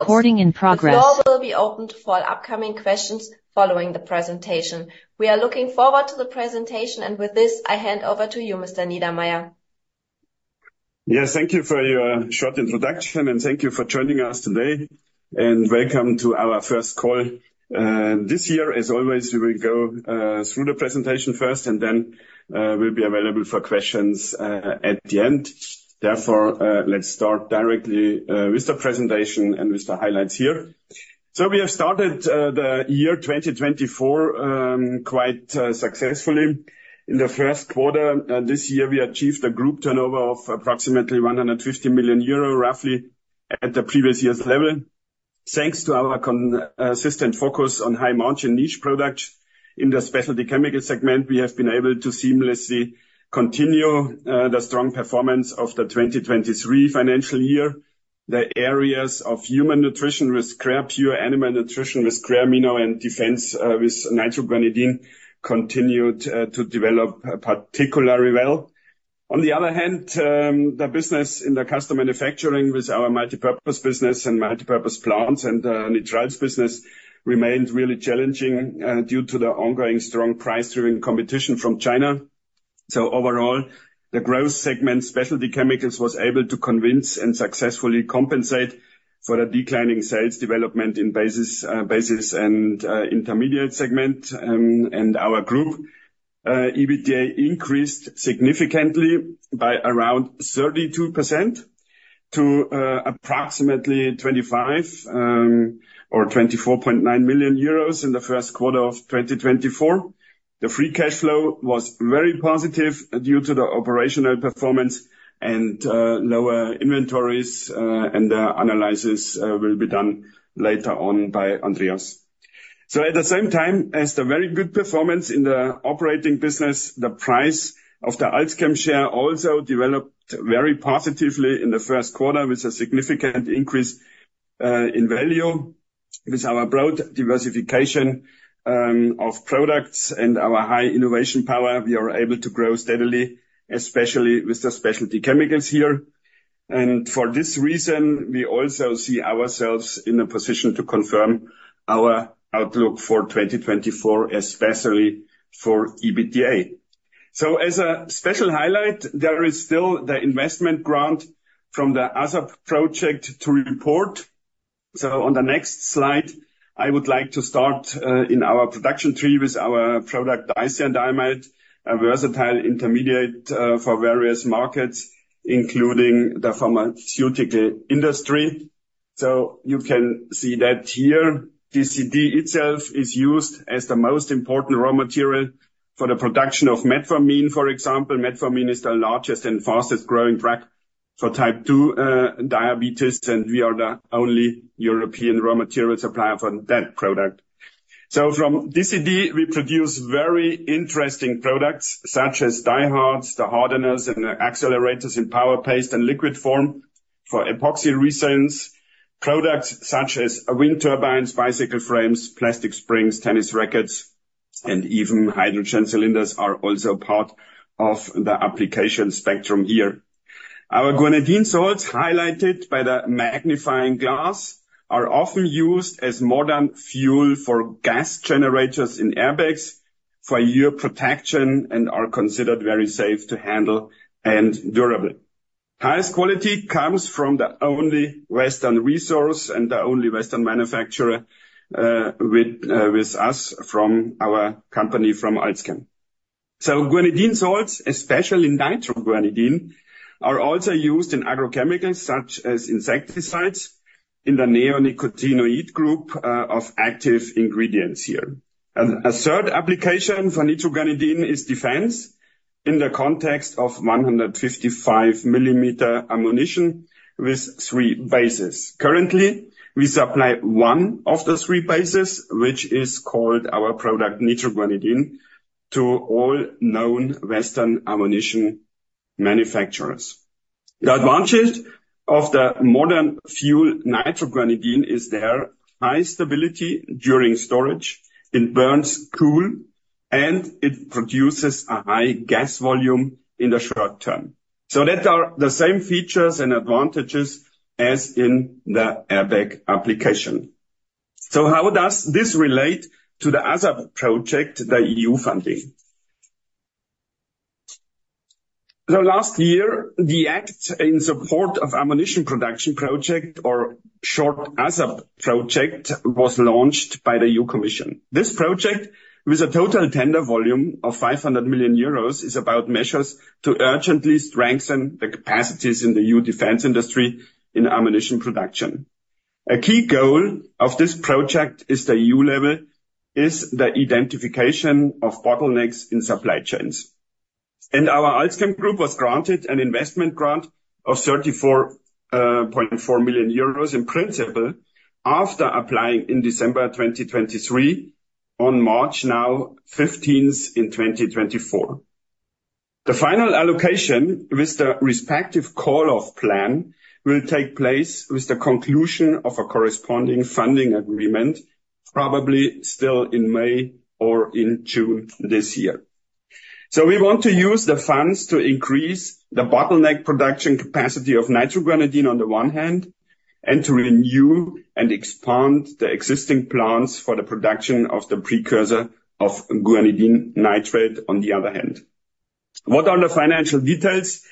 Recording in progress. The floor will be opened for upcoming questions following the presentation. We are looking forward to the presentation, and with this I hand over to you, Mr. Niedermaier. Yes, thank you for your short introduction, and thank you for joining us today. Welcome to our first call. This year, as always, we will go through the presentation first, and then we'll be available for questions at the end. Therefore, let's start directly with the presentation and with the highlights here. So we have started the year 2024 quite successfully. In the Q1, this year we achieved a group turnover of approximately 150 million euro, roughly at the previous year's level. Thanks to our consistent focus on high-margin niche products in the specialty chemical segment, we have been able to seamlessly continue the strong performance of the 2023 financial year. The areas of human nutrition with Creapure, animal nutrition with Creamino, and defense with nitroguanidine continued to develop particularly well. On the other hand, the business in the custom manufacturing with our multipurpose business and multipurpose plants and NCN business remained really challenging due to the ongoing strong price-driven competition from China. So overall, the growth segment specialty chemicals was able to convince and successfully compensate for the declining sales development in basic and intermediate segment. And our group EBITDA increased significantly by around 32% to approximately 25 or 24.9 million euros in the Q1 of 2024. The free cash flow was very positive due to the operational performance and lower inventories, and the analysis will be done later on by Andreas. So at the same time as the very good performance in the operating business, the price of the Alzchem share also developed very positively in the Q1 with a significant increase in value. With our broad diversification of products and our high innovation power, we are able to grow steadily, especially with the specialty chemicals here. For this reason, we also see ourselves in a position to confirm our outlook for 2024 especially for EBITDA. As a special highlight, there is still the investment grant from the ASAP project to report. On the next slide, I would like to start in our production tree with our product dicyandiamide, a versatile intermediate for various markets including the pharmaceutical industry. You can see that here DCD itself is used as the most important raw material for the production of metformin, for example. Metformin is the largest and fastest growing drug for type 2 diabetes, and we are the only European raw material supplier for that product. So from DCD, we produce very interesting products such as Dyhard, the hardeners, and the accelerators in powder, paste, and liquid form for epoxy resins. Products such as wind turbines, bicycle frames, plastic springs, tennis rackets, and even hydrogen cylinders are also part of the application spectrum here. Our guanidine salts, highlighted by the magnifying glass, are often used as modern fuel for gas generators in airbags for your protection and are considered very safe to handle and durable. Highest quality comes from the only Western resource and the only Western manufacturer, with us from our company from Alzchem. So guanidine salts, especially nitroguanidine, are also used in agrochemicals such as insecticides in the neonicotinoid group, of active ingredients here. A third application for nitroguanidine is defense in the context of 155 millimeter ammunition with three bases. Currently, we supply one of the three bases, which is called our product Nitroguanidine, to all known Western ammunition manufacturers. The advantage of the modern fuel Nitroguanidine is their high stability during storage. It burns cool, and it produces a high gas volume in the short term. So that are the same features and advantages as in the airbag application. So how does this relate to the ASAP project, the EU funding? So last year, the Act in Support of Ammunition Production Project, or short ASAP project, was launched by the EU Commission. This project, with a total tender volume of 500 million euros, is about measures to urgently strengthen the capacities in the EU defense industry in ammunition production. A key goal of this project at the EU level is the identification of bottlenecks in supply chains. Our Alzchem Group was granted an investment grant of 34.4 million euros in principle after applying in December 2023 on March 15th, 2024. The final allocation with the respective call-off plan will take place with the conclusion of a corresponding funding agreement, probably still in May or in June this year. We want to use the funds to increase the bottleneck production capacity of nitroguanidine on the one hand, and to renew and expand the existing plants for the production of the precursor of guanidine nitrate on the other hand. What are the financial details?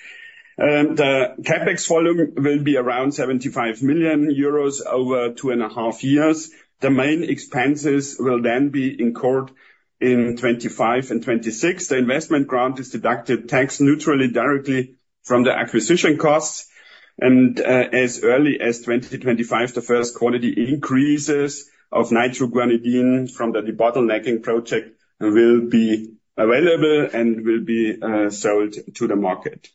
The CapEx volume will be around 75 million euros over two and a half years. The main expenses will then be incurred in 2025 and 2026. The investment grant is deducted tax neutrally directly from the acquisition costs. As early as 2025, the first quality increases of nitroguanidine from the debottlenecking project will be available and will be sold to the market.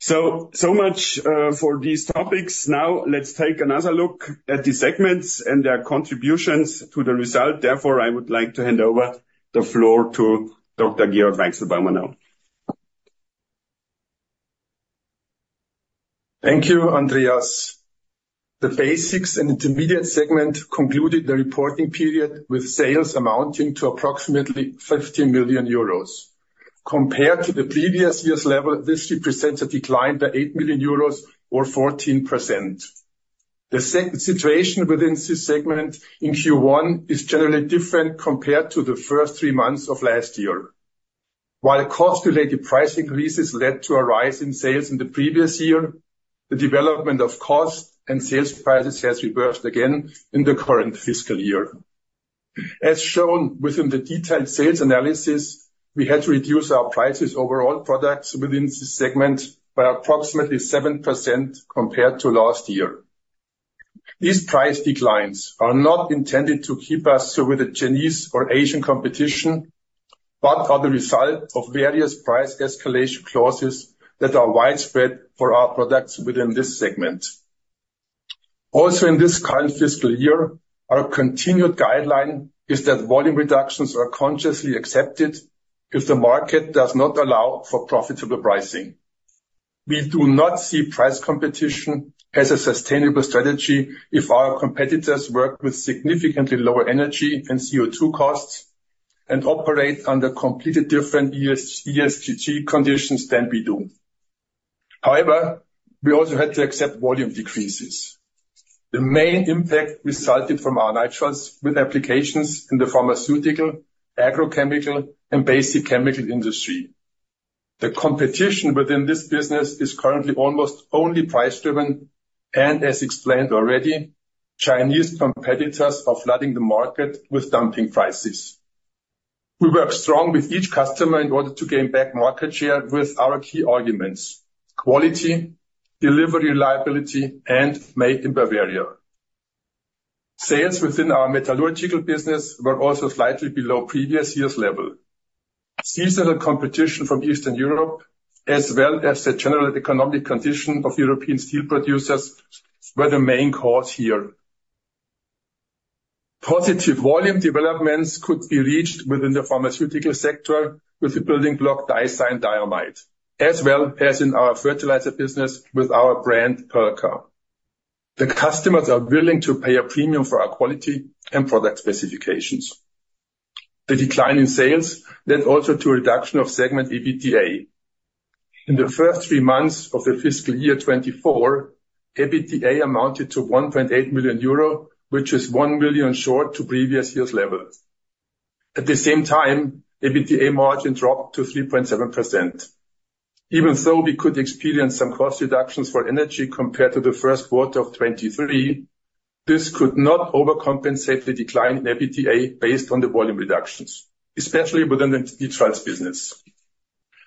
So much for these topics. Now let's take another look at the segments and their contributions to the result. Therefore, I would like to hand over the floor to Dr. Georg Weichselbaumer now. Thank you, Andreas. The basics and intermediate segment concluded the reporting period with sales amounting to approximately 15 million euros. Compared to the previous year's level, this represents a decline by 8 million euros or 14%. The second situation within this segment in Q1 is generally different compared to the first three months of last year. While cost-related price increases led to a rise in sales in the previous year, the development of cost and sales prices has reversed again in the current fiscal year. As shown within the detailed sales analysis, we had to reduce our prices over all products within this segment by approximately 7% compared to last year. These price declines are not intended to keep us with the Chinese or Asian competition, but are the result of various price escalation clauses that are widespread for our products within this segment. Also in this current fiscal year, our continued guideline is that volume reductions are consciously accepted if the market does not allow for profitable pricing. We do not see price competition as a sustainable strategy if our competitors work with significantly lower energy and CO2 costs and operate under completely different ESG conditions than we do. However, we also had to accept volume decreases. The main impact resulted from our nitrates with applications in the pharmaceutical, agrochemical, and basic chemical industry. The competition within this business is currently almost only price-driven and, as explained already, Chinese competitors are flooding the market with dumping prices. We worked strongly with each customer in order to gain back market share with our key arguments: quality, delivery reliability, and made in Bavaria. Sales within our metallurgical business were also slightly below previous year's level. Seasonal competition from Eastern Europe, as well as the general economic condition of European steel producers, were the main cause here. Positive volume developments could be reached within the pharmaceutical sector with the building block dicyandiamide, as well as in our fertilizer business with our brand PERLKA. The customers are willing to pay a premium for our quality and product specifications. The decline in sales led also to a reduction of segment EBITDA. In the first three months of the fiscal year 2024, EBITDA amounted to 1.8 million euro, which is 1 million short to previous year's level. At the same time, EBITDA margin dropped to 3.7%. Even though we could experience some cost reductions for energy compared to the Q1 of 2023, this could not overcompensate the decline in EBITDA based on the volume reductions, especially within the neutrals business.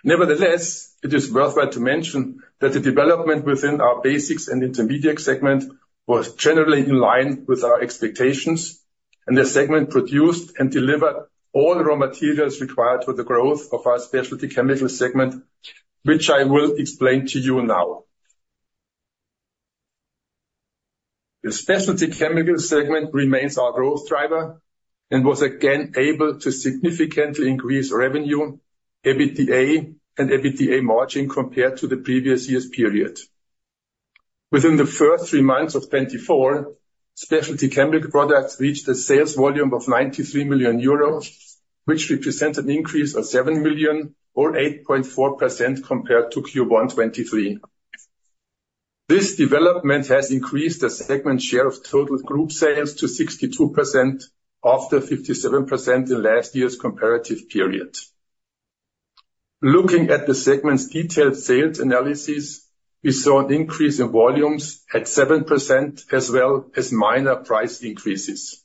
Nevertheless, it is worthwhile to mention that the development within our basics and intermediate segment was generally in line with our expectations, and the segment produced and delivered all raw materials required for the growth of our specialty chemical segment, which I will explain to you now. The specialty chemical segment remains our growth driver and was again able to significantly increase revenue, EBITDA, and EBITDA margin compared to the previous year's period. Within the first three months of 2024, specialty chemical products reached a sales volume of 93 million euros, which represented an increase of 7 million or 8.4% compared to Q1 2023. This development has increased the segment share of total group sales to 62% after 57% in last year's comparative period. Looking at the segment's detailed sales analysis, we saw an increase in volumes at 7% as well as minor price increases.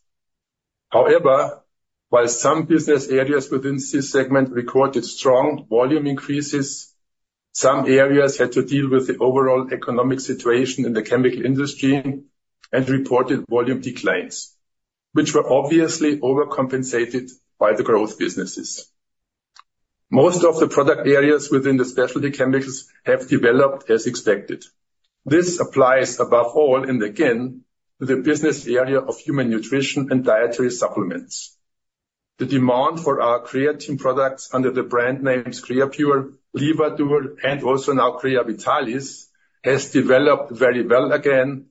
However, while some business areas within this segment recorded strong volume increases, some areas had to deal with the overall economic situation in the chemical industry and reported volume declines, which were obviously overcompensated by the growth businesses. Most of the product areas within the specialty chemicals have developed as expected. This applies above all and again to the business area of human nutrition and dietary supplements. The demand for our creatine products under the brand names Creapure, Livadur, and also now Creavitalis has developed very well again.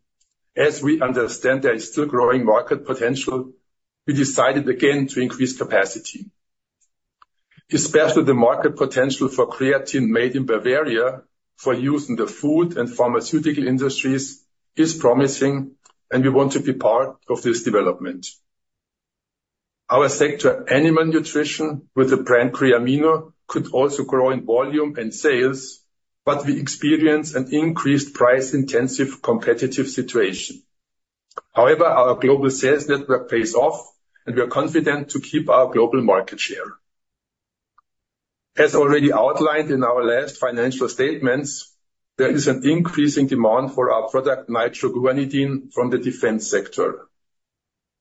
As we understand there is still growing market potential, we decided again to increase capacity. Especially the market potential for creatine made in Bavaria for use in the food and pharmaceutical industries is promising, and we want to be part of this development. Our sector, animal nutrition with the brand Creamino, could also grow in volume and sales, but we experience an increased price-intensive competitive situation. However, our global sales network pays off, and we are confident to keep our global market share. As already outlined in our last financial statements, there is an increasing demand for our product Nitroguanidine from the defense sector.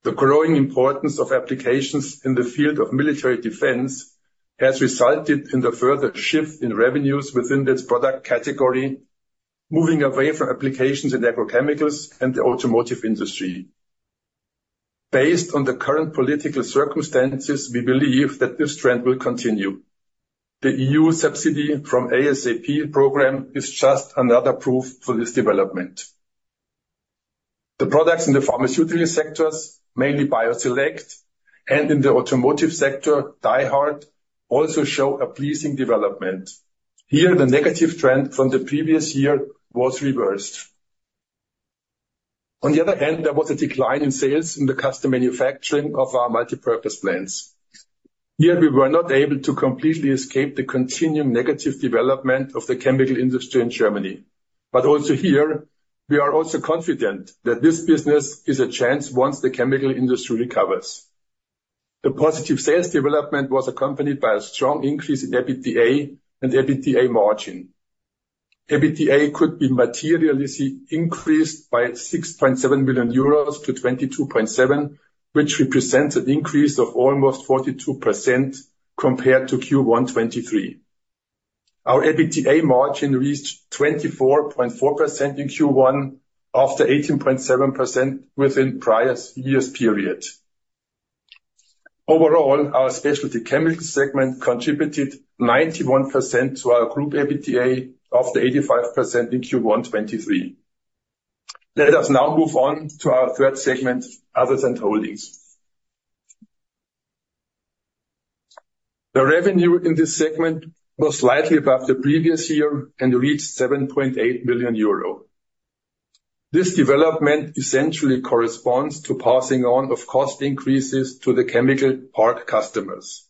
The growing importance of applications in the field of military defense has resulted in a further shift in revenues within this product category, moving away from applications in agrochemicals and the automotive industry. Based on the current political circumstances, we believe that this trend will continue. The EU subsidy from ASAP program is just another proof for this development. The products in the pharmaceutical sectors, mainly BioSelect, and in the automotive sector, Dyhard, also show a pleasing development. Here, the negative trend from the previous year was reversed. On the other hand, there was a decline in sales in the custom manufacturing of our multipurpose plants. Here, we were not able to completely escape the continuing negative development of the chemical industry in Germany. But also here, we are also confident that this business is a chance once the chemical industry recovers. The positive sales development was accompanied by a strong increase in EBITDA and EBITDA margin. EBITDA could be materially increased by 6.7 million euros to 22.7 million, which represents an increase of almost 42% compared to Q1 2023. Our EBITDA margin reached 24.4% in Q1 after 18.7% within the prior year's period. Overall, our specialty chemical segment contributed 91% to our group EBITDA after 85% in Q1 2023. Let us now move on to our third segment, Others and Holdings. The revenue in this segment was slightly above the previous year and reached 7.8 million euro. This development essentially corresponds to passing on of cost increases to the chemical park customers.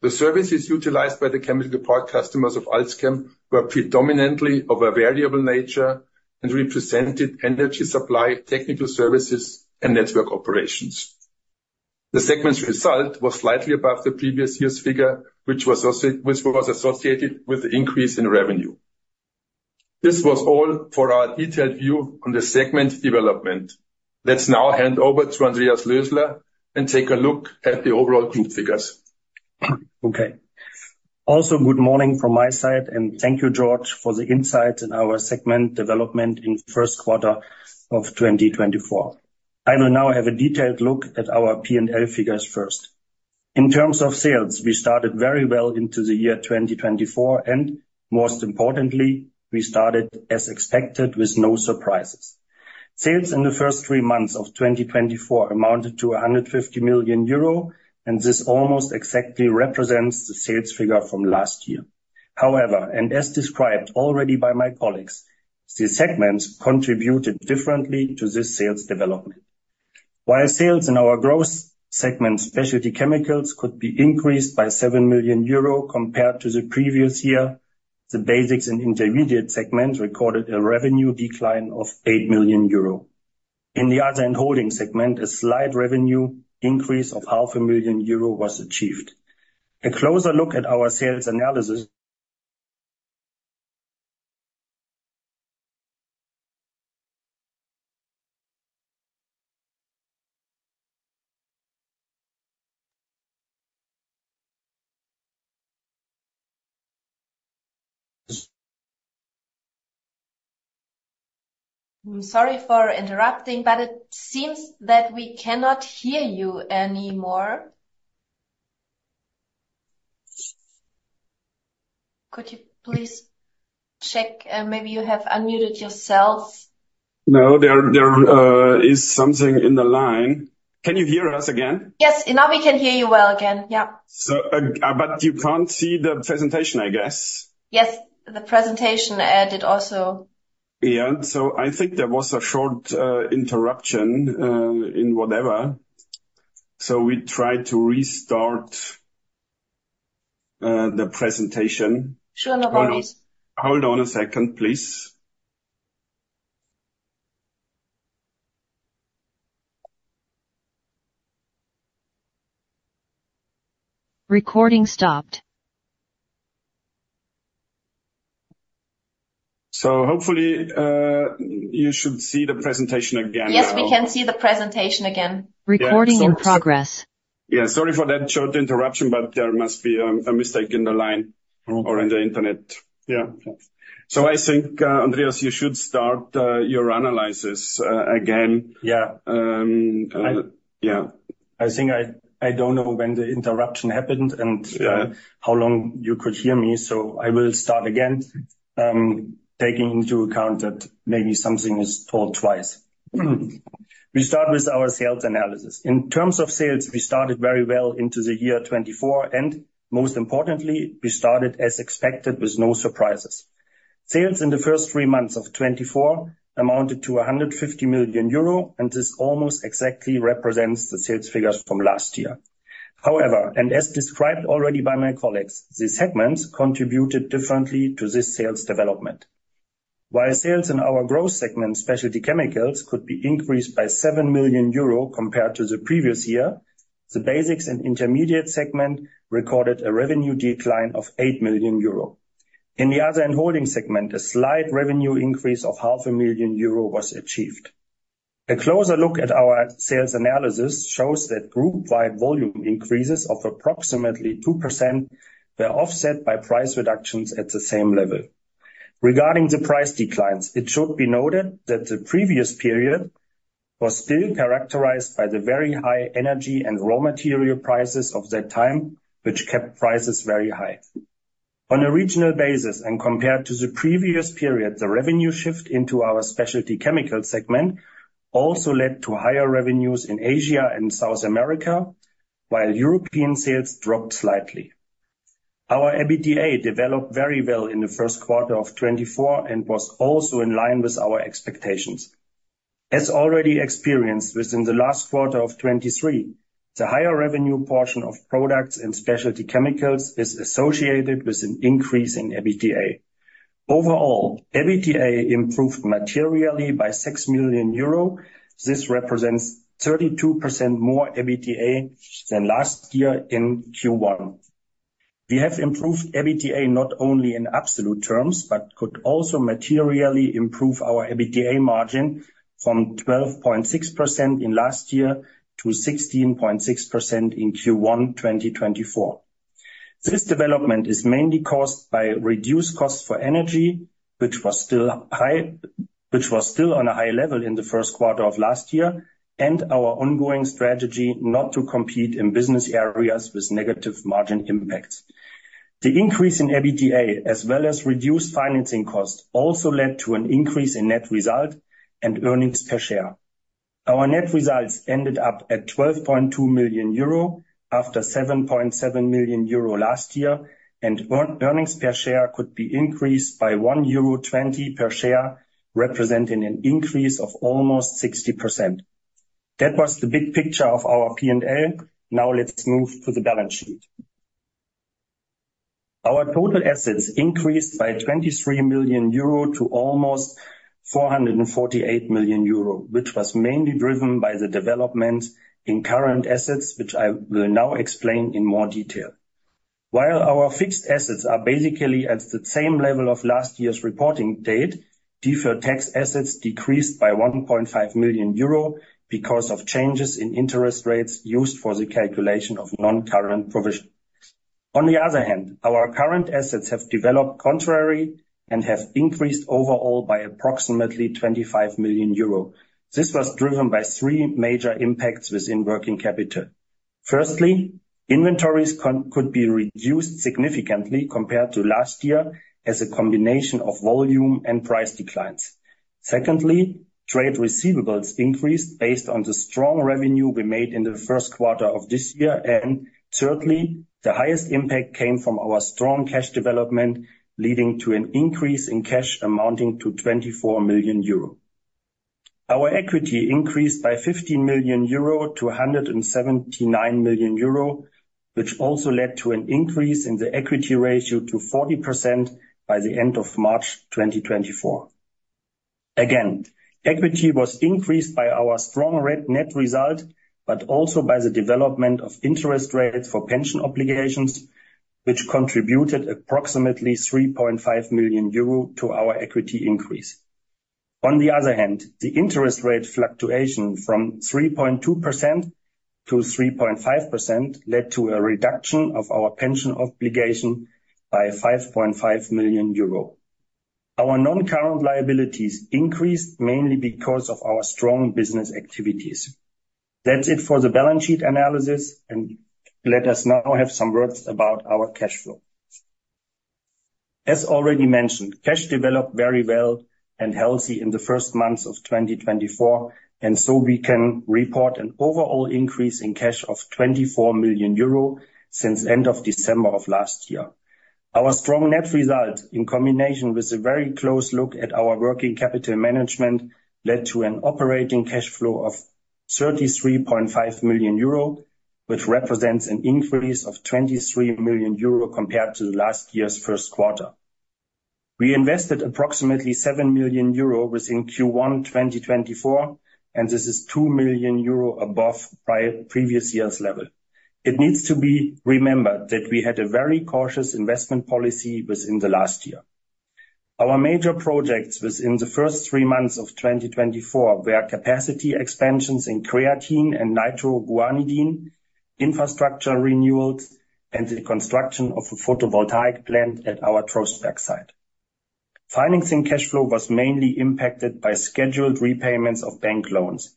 The services utilized by the chemical park customers of Alzchem were predominantly of a variable nature and represented energy supply, technical services, and network operations. The segment's result was slightly above the previous year's figure, which was associated with the increase in revenue. This was all for our detailed view on the segment development. Let's now hand over to Andreas Lösler and take a look at the overall group figures. Okay. Also, good morning from my side, and thank you, Georg, for the insights in our segment development in the Q1 of 2024. I will now have a detailed look at our P&L figures first. In terms of sales, we started very well into the year 2024, and most importantly, we started as expected with no surprises. Sales in the first three months of 2024 amounted to 150 million euro, and this almost exactly represents the sales figure from last year. However, and as described already by my colleagues, the segments contributed differently to this sales development. While sales in our growth segment, specialty chemicals, could be increased by 7 million euro compared to the previous year, the basics and intermediate segments recorded a revenue decline of 8 million euro. In the Others and Holdings segment, a slight revenue increase of 500,000 euro was achieved. A closer look at our sales analysis. I'm sorry for interrupting, but it seems that we cannot hear you anymore. Could you please check? Maybe you have unmuted yourself. No, there is something in the line. Can you hear us again? Yes. Now we can hear you well again. Yeah. You can't see the presentation, I guess. Yes. The presentation added also. Yeah. So I think there was a short interruption in whatever. So we tried to restart the presentation. Sure, no problem. Hold on a second, please. Recording stopped. Hopefully, you should see the presentation again. Yes, we can see the presentation again. Recording in progress. Yeah. Sorry for that short interruption, but there must be a mistake in the line or on the internet. Yeah. I think, Andreas, you should start your analysis again. Yeah. I think I don't know when the interruption happened and how long you could hear me. So I will start again, taking into account that maybe something is told twice. We start with our sales analysis. In terms of sales, we started very well into the year 2024, and most importantly, we started as expected with no surprises. Sales in the first three months of 2024 amounted to 150 million euro, and this almost exactly represents the sales figures from last year. However, and as described already by my colleagues, the segments contributed differently to this sales development. While sales in our growth segment, specialty chemicals, could be increased by 7 million euro compared to the previous year, the basics and intermediate segment recorded a revenue decline of 8 million euro. In the Others and Holdings segment, a slight revenue increase of 0.5 million euro was achieved. A closer look at our sales analysis shows that group-wide volume increases of approximately 2% were offset by price reductions at the same level. Regarding the price declines, it should be noted that the previous period was still characterized by the very high energy and raw material prices of that time, which kept prices very high. On a regional basis and compared to the previous period, the revenue shift into our specialty chemical segment also led to higher revenues in Asia and South America, while European sales dropped slightly. Our EBITDA developed very well in the Q1 of 2024 and was also in line with our expectations. As already experienced within the last quarter of 2023, the higher revenue portion of products and specialty chemicals is associated with an increase in EBITDA. Overall, EBITDA improved materially by 6 million euro. This represents 32% more EBITDA than last year in Q1. We have improved EBITDA not only in absolute terms but could also materially improve our EBITDA margin from 12.6% in last year to 16.6% in Q1 2024. This development is mainly caused by reduced costs for energy, which was still on a high level in the Q1 of last year, and our ongoing strategy not to compete in business areas with negative margin impacts. The increase in EBITDA, as well as reduced financing costs, also led to an increase in net result and earnings per share. Our net results ended up at 12.2 million euro after 7.7 million euro last year, and earnings per share could be increased by 1.20 euro per share, representing an increase of almost 60%. That was the big picture of our P&L. Now let's move to the balance sheet. Our total assets increased by 23 million euro to almost 448 million euro, which was mainly driven by the development in current assets, which I will now explain in more detail. While our fixed assets are basically at the same level of last year's reporting date, deferred tax assets decreased by 1.5 million euro because of changes in interest rates used for the calculation of non-current provisions. On the other hand, our current assets have developed contrary and have increased overall by approximately 25 million euro. This was driven by three major impacts within working capital. Firstly, inventories could be reduced significantly compared to last year as a combination of volume and price declines. Secondly, trade receivables increased based on the strong revenue we made in the Q1 of this year. And thirdly, the highest impact came from our strong cash development, leading to an increase in cash amounting to 24 million euro. Our equity increased by 15 million euro to 179 million euro, which also led to an increase in the equity ratio to 40% by the end of March 2024. Again, equity was increased by our strong net result but also by the development of interest rates for pension obligations, which contributed approximately 3.5 million euro to our equity increase. On the other hand, the interest rate fluctuation from 3.2% to 3.5% led to a reduction of our pension obligation by 5.5 million euro. Our non-current liabilities increased mainly because of our strong business activities. That's it for the balance sheet analysis. Let us now have some words about our cash flow. As already mentioned, cash developed very well and healthy in the first months of 2024, and so we can report an overall increase in cash of 24 million euro since the end of December of last year. Our strong net result, in combination with a very close look at our working capital management, led to an operating cash flow of 33.5 million euro, which represents an increase of 23 million euro compared to last year's Q1. We invested approximately 7 million euro within Q1 2024, and this is 2 million euro above previous year's level. It needs to be remembered that we had a very cautious investment policy within the last year. Our major projects within the first three months of 2024 were capacity expansions in creatine and nitroguanidine, infrastructure renewals, and the construction of a photovoltaic plant at our Trostberg site. Financing cash flow was mainly impacted by scheduled repayments of bank loans.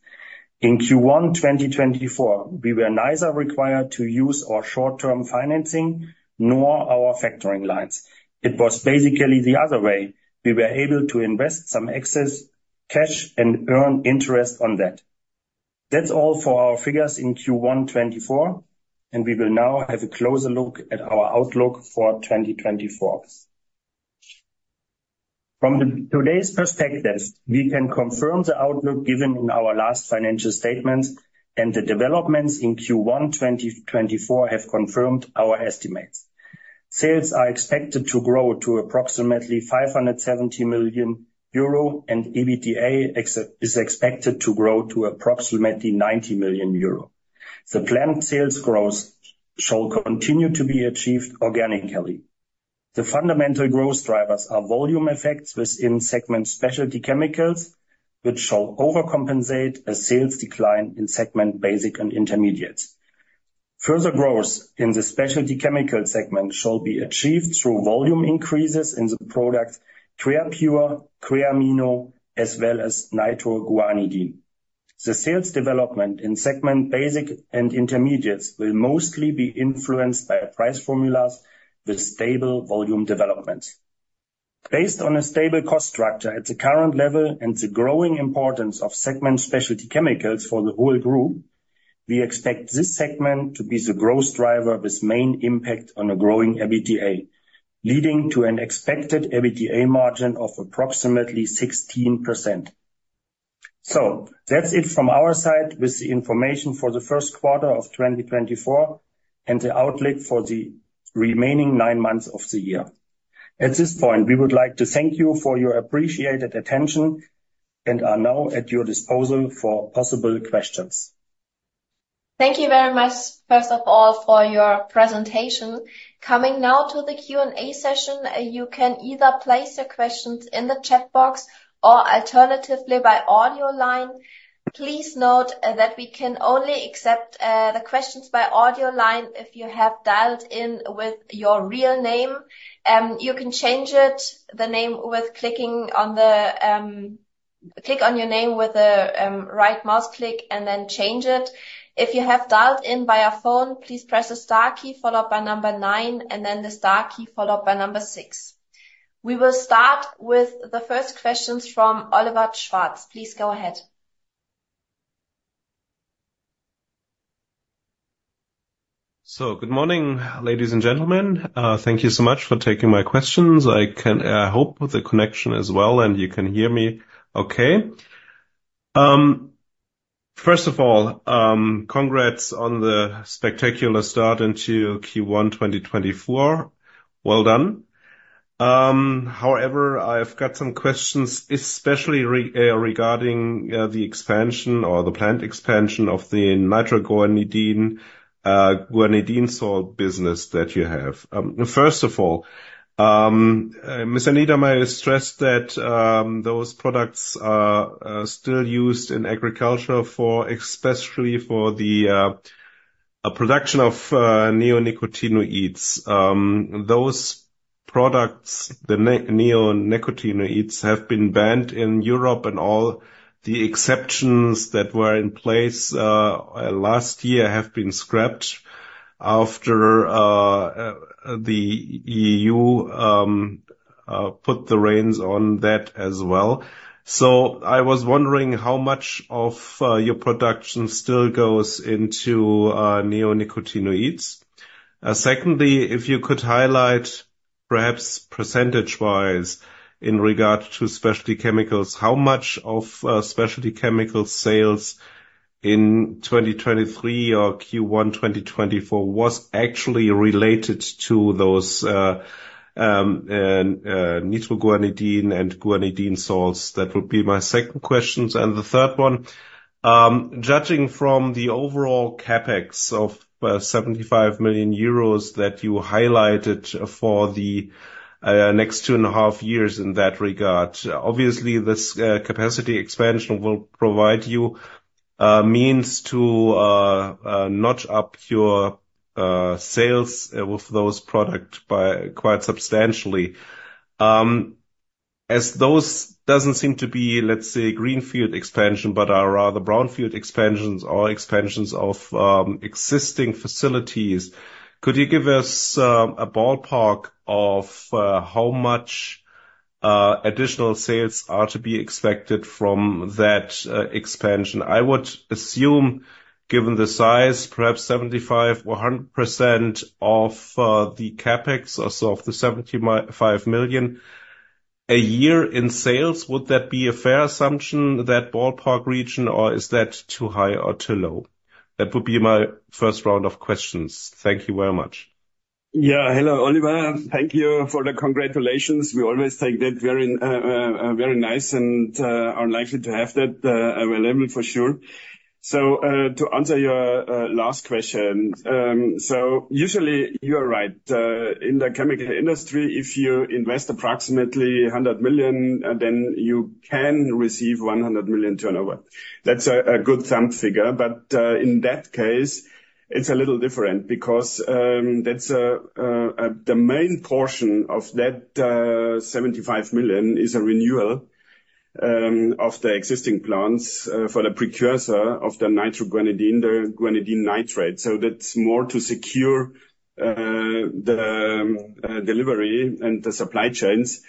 In Q1 2024, we were neither required to use our short-term financing nor our factoring lines. It was basically the other way. We were able to invest some excess cash and earn interest on that. That's all for our figures in Q1 2024, and we will now have a closer look at our outlook for 2024. From today's perspective, we can confirm the outlook given in our last financial statements, and the developments in Q1 2024 have confirmed our estimates. Sales are expected to grow to approximately 570 million euro, and EBITDA is expected to grow to approximately 90 million euro. The planned sales growth shall continue to be achieved organically. The fundamental growth drivers are volume effects within segment specialty chemicals, which shall overcompensate a sales decline in segment basic and intermediates. Further growth in the specialty chemical segment shall be achieved through volume increases in the product Creapure, Creamino, as well as nitroguanidine. The sales development in segment basic and intermediates will mostly be influenced by price formulas with stable volume developments. Based on a stable cost structure at the current level and the growing importance of segment specialty chemicals for the whole group, we expect this segment to be the growth driver with main impact on a growing EBITDA, leading to an expected EBITDA margin of approximately 16%. So that's it from our side with the information for the Q1 of 2024 and the outlook for the remaining nine months of the year. At this point, we would like to thank you for your appreciated attention and are now at your disposal for possible questions. Thank you very much, first of all, for your presentation. Coming now to the Q&A session, you can either place your questions in the chat box or alternatively by audio line. Please note that we can only accept the questions by audio line if you have dialed in with your real name. You can change the name with clicking on your name with a right mouse click and then change it. If you have dialed in via phone, please press the star key, followed by 9, and then the star key, followed by 6. We will start with the first questions from Oliver Schwarz. Please go ahead. So good morning, ladies and gentlemen. Thank you so much for taking my questions. I hope the connection is well and you can hear me okay. First of all, congrats on the spectacular start into Q1 2024. Well done. However, I've got some questions, especially regarding the expansion or the plant expansion of the nitroguanidine salt business that you have. First of all, Ms. Anita, may I stress that those products are still used in agriculture, especially for the production of neonicotinoids. Those products, the neonicotinoids, have been banned in Europe, and all the exceptions that were in place last year have been scrapped after the EU put the reins on that as well. So I was wondering how much of your production still goes into neonicotinoids. Secondly, if you could highlight, perhaps percentage-wise, in regard to specialty chemicals, how much of specialty chemicals sales in 2023 or Q1 2024 was actually related to those nitroguanidine and guanidine salts? That would be my second question. And the third one, judging from the overall CapEx of 75 million euros that you highlighted for the next two and a half years in that regard, obviously, this capacity expansion will provide you means to notch up your sales with those products quite substantially. As those doesn't seem to be, let's say, greenfield expansion but are rather brownfield expansions or expansions of existing facilities, could you give us a ballpark of how much additional sales are to be expected from that expansion? I would assume, given the size, perhaps 75% or 100% of the CapEx, or so of the 75 million a year in sales, would that be a fair assumption, that ballpark region, or is that too high or too low? That would be my first round of questions. Thank you very much. Yeah. Hello, Oliver. Thank you for the congratulations. We always think that very nice and are likely to have that available for sure. So to answer your last question, so usually, you are right. In the chemical industry, if you invest approximately 100 million, then you can receive 100 million turnover. That's a good thumb figure. But in that case, it's a little different because the main portion of that 75 million is a renewal of the existing plants for the precursor of the nitroguanidine, the guanidine nitrate. So that's more to secure the delivery and the supply chains.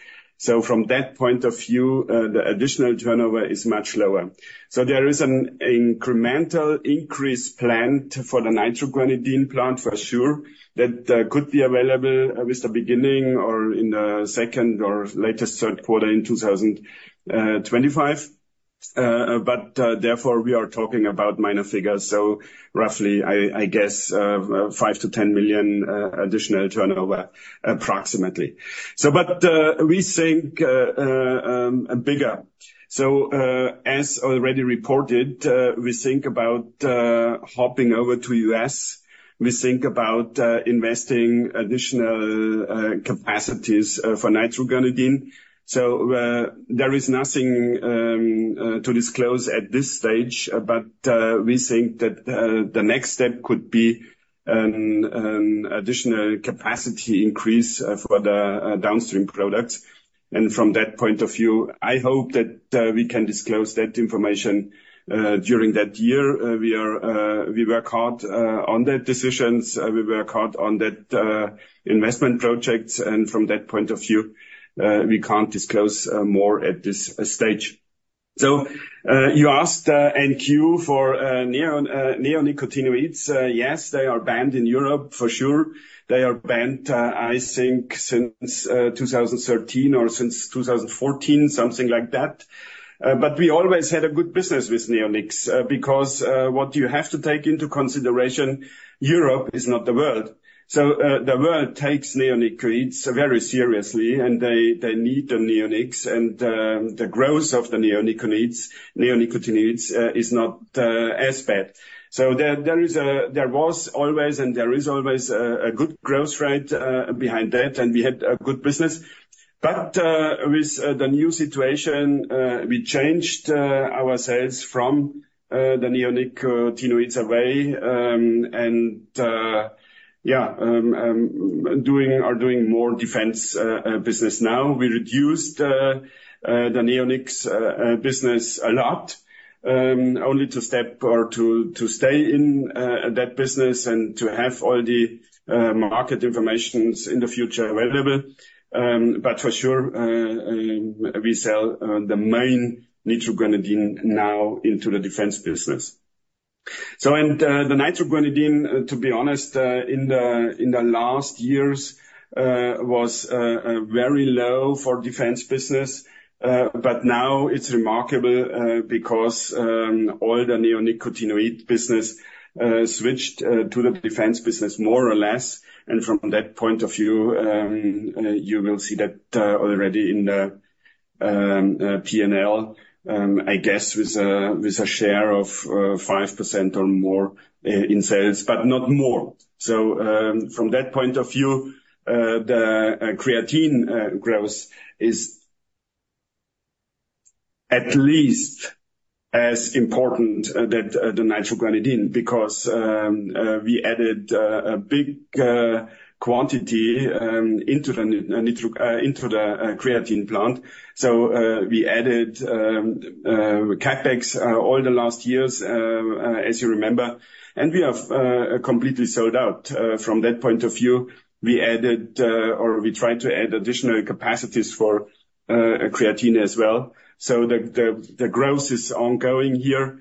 So from that point of view, the additional turnover is much lower. So there is an incremental increase planned for the nitroguanidine plant, for sure. That could be available with the beginning or in the second or latest Q3 in 2025. But therefore, we are talking about minor figures. So roughly, I guess, 5 million to 10 million additional turnover approximately. But we think bigger. So as already reported, we think about hopping over to the U.S. We think about investing additional capacities for Nitroguanidine. So there is nothing to disclose at this stage, but we think that the next step could be an additional capacity increase for the downstream products. And from that point of view, I hope that we can disclose that information during that year. We work hard on that decisions. We work hard on that investment project. And from that point of view, we can't disclose more at this stage. So you asked NQ for Neonicotinoids. Yes, they are banned in Europe, for sure. They are banned, I think, since 2013 or since 2014, something like that. But we always had a good business with neonics because what you have to take into consideration, Europe is not the world. So the world takes neonicotinoids very seriously, and they need the neonics. And the growth of the neonicotinoids is not as bad. So there was always and there is always a good growth rate behind that, and we had a good business. But with the new situation, we changed ourselves from the neonicotinoids away and, yeah, are doing more defense business now. We reduced the neonics business a lot only to step or to stay in that business and to have all the market information in the future available. But for sure, we sell the main Nitroguanidine now into the defense business. And the Nitroguanidine, to be honest, in the last years was very low for defense business. But now it's remarkable because all the neonicotinoid business switched to the defense business more or less. And from that point of view, you will see that already in the P&L, I guess, with a share of 5% or more in sales, but not more. So from that point of view, the creatine growth is at least as important as the nitroguanidine because we added a big quantity into the creatine plant. So we added CapEx all the last years, as you remember. And we are completely sold out. From that point of view, we added or we tried to add additional capacities for creatine as well. So the growth is ongoing here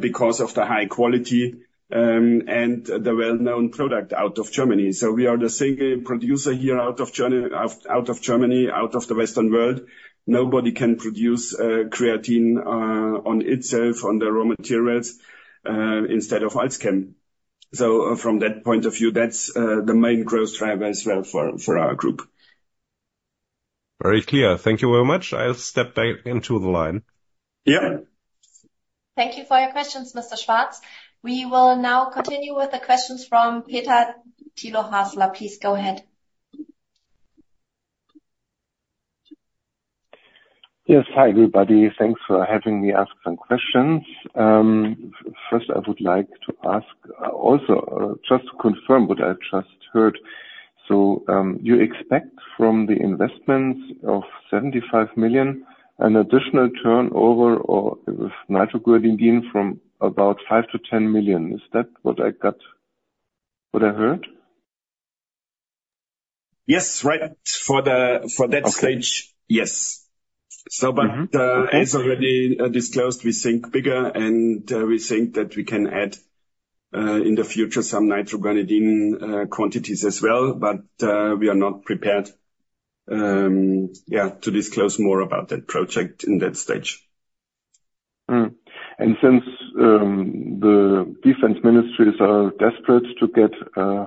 because of the high quality and the well-known product out of Germany. So we are the single producer here out of Germany, out of the Western world. Nobody can produce creatine on itself, on the raw materials, instead of Alzchem. So from that point of view, that's the main growth driver as well for our group. Very clear. Thank you very much. I'll step back into the line. Yeah. Thank you for your questions, Mr. Schwarz. We will now continue with the questions from Peter-Thilo Hasler. Please go ahead. Yes. Hi, everybody. Thanks for having me ask some questions. First, I would like to ask also just to confirm what I just heard. So you expect from the investments of 75 million an additional turnover with Nitroguanidine from about 5 million to 10 million. Is that what I got, what I heard? Yes. Right. For that stage, yes. So but as already disclosed, we think bigger, and we think that we can add in the future some nitroguanidine quantities as well. But we are not prepared, yeah, to disclose more about that project in that stage. Since the defense ministries are desperate to get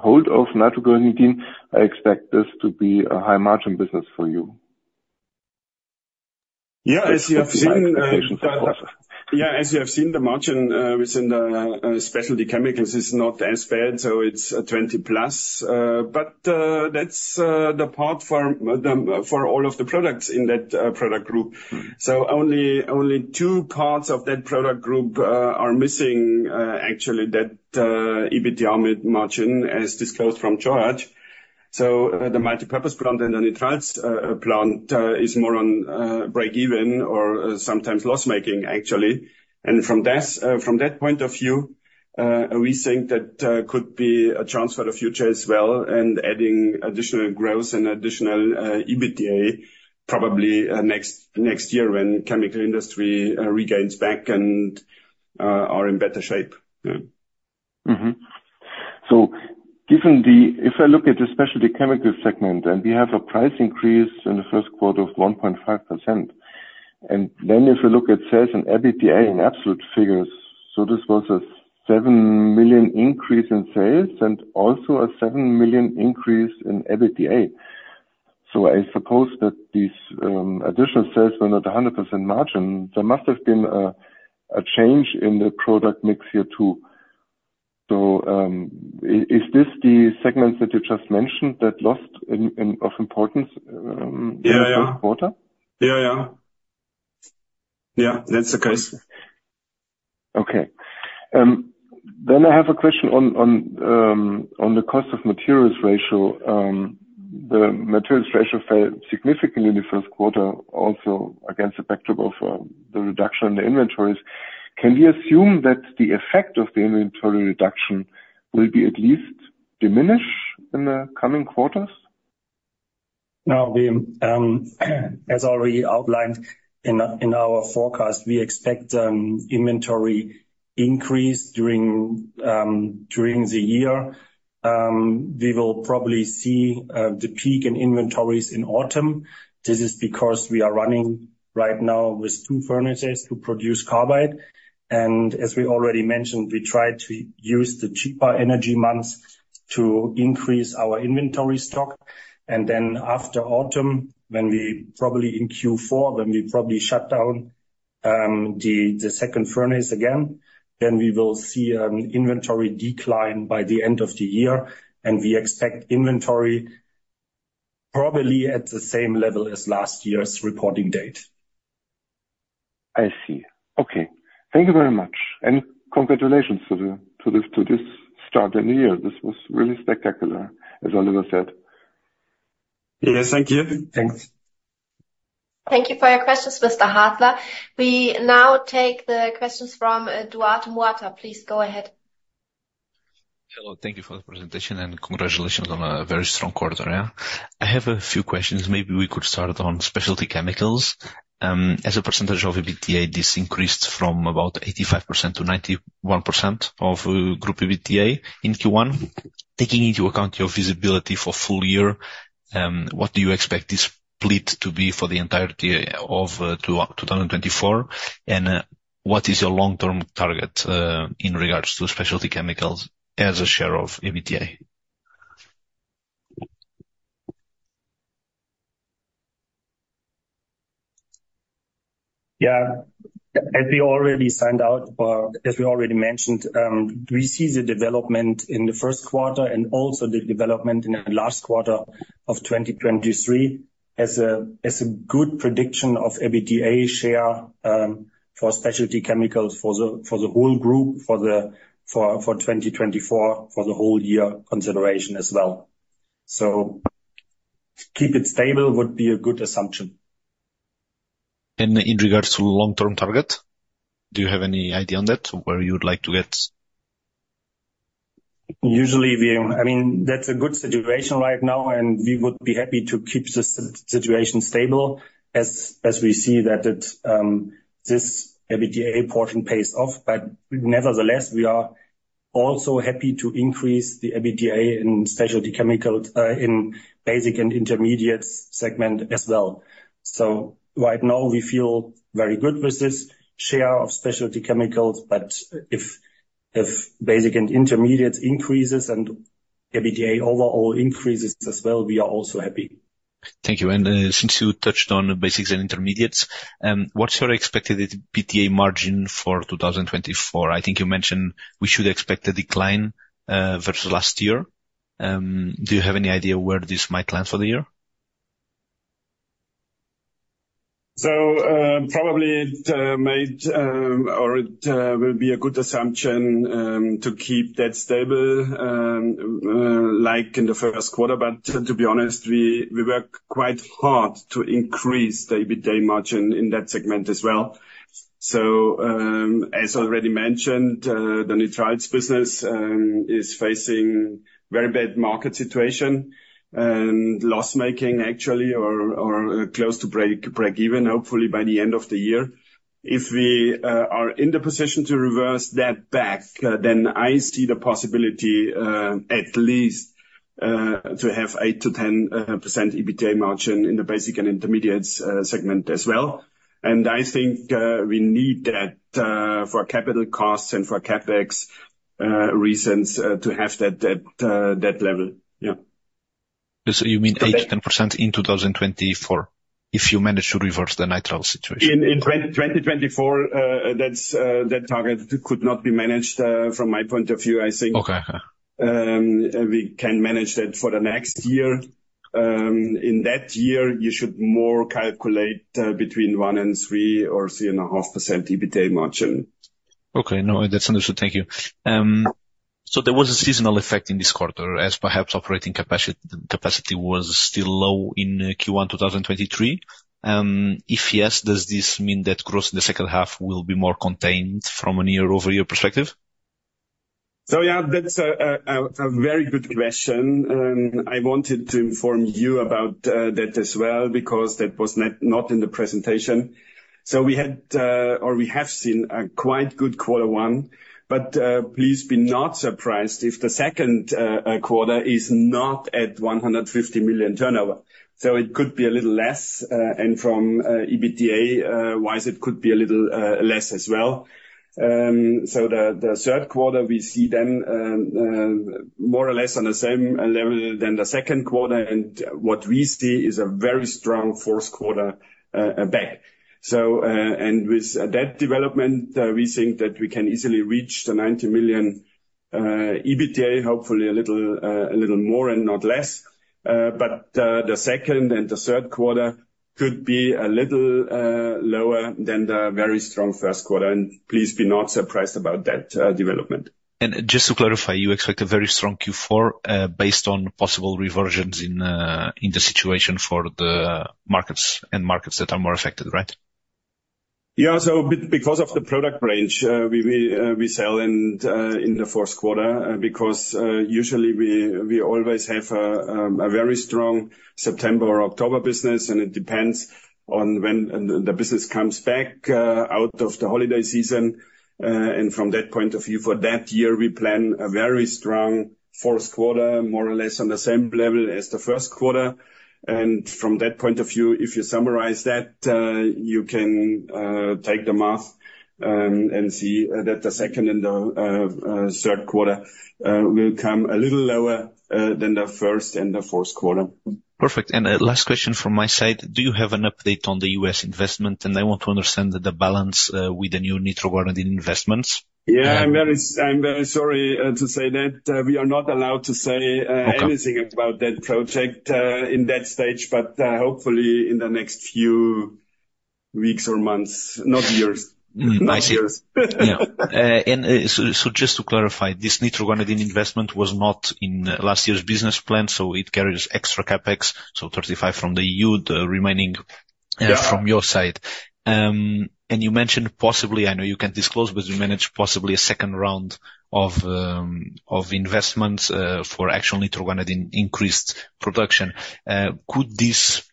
hold of Nitroguanidine, I expect this to be a high-margin business for you. Yeah. As you have seen, the margin within the specialty chemicals is not as bad. So it's 20%+. But that's the part for all of the products in that product group. So only two parts of that product group are missing, actually, that EBITDA margin, as disclosed from Georg. So the multipurpose plant and the nitrites plant is more on break-even or sometimes loss-making, actually. And from that point of view, we think that could be a chance for the future as well and adding additional growth and additional EBITDA probably next year when chemical industry regains back and are in better shape. If I look at the specialty chemical segment and we have a price increase in the Q1 of 1.5%. Then if you look at sales and EBITDA in absolute figures, so this was a 7 million increase in sales and also a 7 million increase in EBITDA. So I suppose that these additional sales were not 100% margin. There must have been a change in the product mix here too. So is this the segments that you just mentioned that loss of importance in the Q1? Yeah, yeah. Yeah, that's the case. Okay. I have a question on the cost of materials ratio. The materials ratio fell significantly in the Q1 also against the backdrop of the reduction in the inventories. Can we assume that the effect of the inventory reduction will be at least diminished in the coming quarters? No. As already outlined in our forecast, we expect inventory increase during the year. We will probably see the peak in inventories in autumn. This is because we are running right now with two furnaces to produce carbide. And as we already mentioned, we tried to use the cheaper energy months to increase our inventory stock. And then after autumn, probably in Q4, when we probably shut down the second furnace again, then we will see an inventory decline by the end of the year. And we expect inventory probably at the same level as last year's reporting date. I see. Okay. Thank you very much. Congratulations to this start in the year. This was really spectacular, as Oliver said. Yes. Thank you. Thanks. Thank you for your questions, Mr. Hasler. We now take the questions from Duarte Mota. Please go ahead. Hello. Thank you for the presentation, and congratulations on a very strong quarter, yeah? I have a few questions. Maybe we could start on specialty chemicals. As a percentage of EBITDA, this increased from about 85% to 91% of group EBITDA in Q1. Taking into account your visibility for full year, what do you expect this split to be for the entirety of 2024? And what is your long-term target in regards to specialty chemicals as a share of EBITDA? Yeah. As we already signed out or as we already mentioned, we see the development in the Q1 and also the development in the last quarter of 2023 as a good prediction of EBITDA share for specialty chemicals for the whole group for 2024, for the whole year consideration as well. So keep it stable would be a good assumption. In regards to the long-term target, do you have any idea on that where you would like to get? Usually, I mean, that's a good situation right now, and we would be happy to keep the situation stable as we see that this EBITDA portion pays off. But nevertheless, we are also happy to increase the EBITDA in specialty chemicals in basic and intermediate segment as well. So right now, we feel very good with this share of specialty chemicals. But if basic and intermediate increases and EBITDA overall increases as well, we are also happy. Thank you. And since you touched on basics and intermediates, what's your expected EBITDA margin for 2024? I think you mentioned we should expect a decline versus last year. Do you have any idea where this might land for the year? So probably it made or it will be a good assumption to keep that stable like in the Q1. But to be honest, we work quite hard to increase the EBITDA margin in that segment as well. So as already mentioned, the nitrites business is facing a very bad market situation and loss-making, actually, or close to break-even, hopefully, by the end of the year. If we are in the position to reverse that back, then I see the possibility at least to have 8% to 10% EBITDA margin in the basic and intermediate segment as well. And I think we need that for capital costs and for CapEx reasons to have that level. Yeah. You mean 8% to 10% in 2024 if you manage to reverse the nitrile situation? In 2024, that target could not be managed from my point of view. I think we can manage that for the next year. In that year, you should more calculate between 1% and 3% or 3.5% EBITDA margin. Okay. No, that's understood. Thank you. So there was a seasonal effect in this quarter as perhaps operating capacity was still low in Q1 2023. If yes, does this mean that growth in the second half will be more contained from a year-over-year perspective? So yeah, that's a very good question. I wanted to inform you about that as well because that was not in the presentation. We had or we have seen a quite good quarter one. But please be not surprised if the Q2 is not at 150 million turnover. It could be a little less. And from EBITDA-wise, it could be a little less as well. The Q3, we see then more or less on the same level than the Q2. And what we see is a very strong Q4 back. And with that development, we think that we can easily reach the 90 million EBITDA, hopefully, a little more and not less. But the second and the Q3 could be a little lower than the very strong Q1. Please be not surprised about that development. Just to clarify, you expect a very strong Q4 based on possible reversions in the situation for the markets and markets that are more affected, right? Yeah. So because of the product range, we sell in the Q4 because usually, we always have a very strong September or October business. It depends on when the business comes back out of the holiday season. From that point of view, for that year, we plan a very strong Q4, more or less on the same level as the Q1. From that point of view, if you summarize that, you can take the math and see that the second and the Q3 will come a little lower than the first and the Q4. Perfect. Last question from my side. Do you have an update on the U.S. investment? I want to understand the balance with the new nitroguanidine investments. Yeah. I'm very sorry to say that. We are not allowed to say anything about that project in that stage. But hopefully, in the next few weeks or months, not years. Nice. Yeah. Just to clarify, this nitroguanidine investment was not in last year's business plan. It carries extra CapEx, so 35 from the EU, the remaining from your side. You mentioned possibly I know you can't disclose, but you managed possibly a second round of investments for actual nitroguanidine increased production. Could this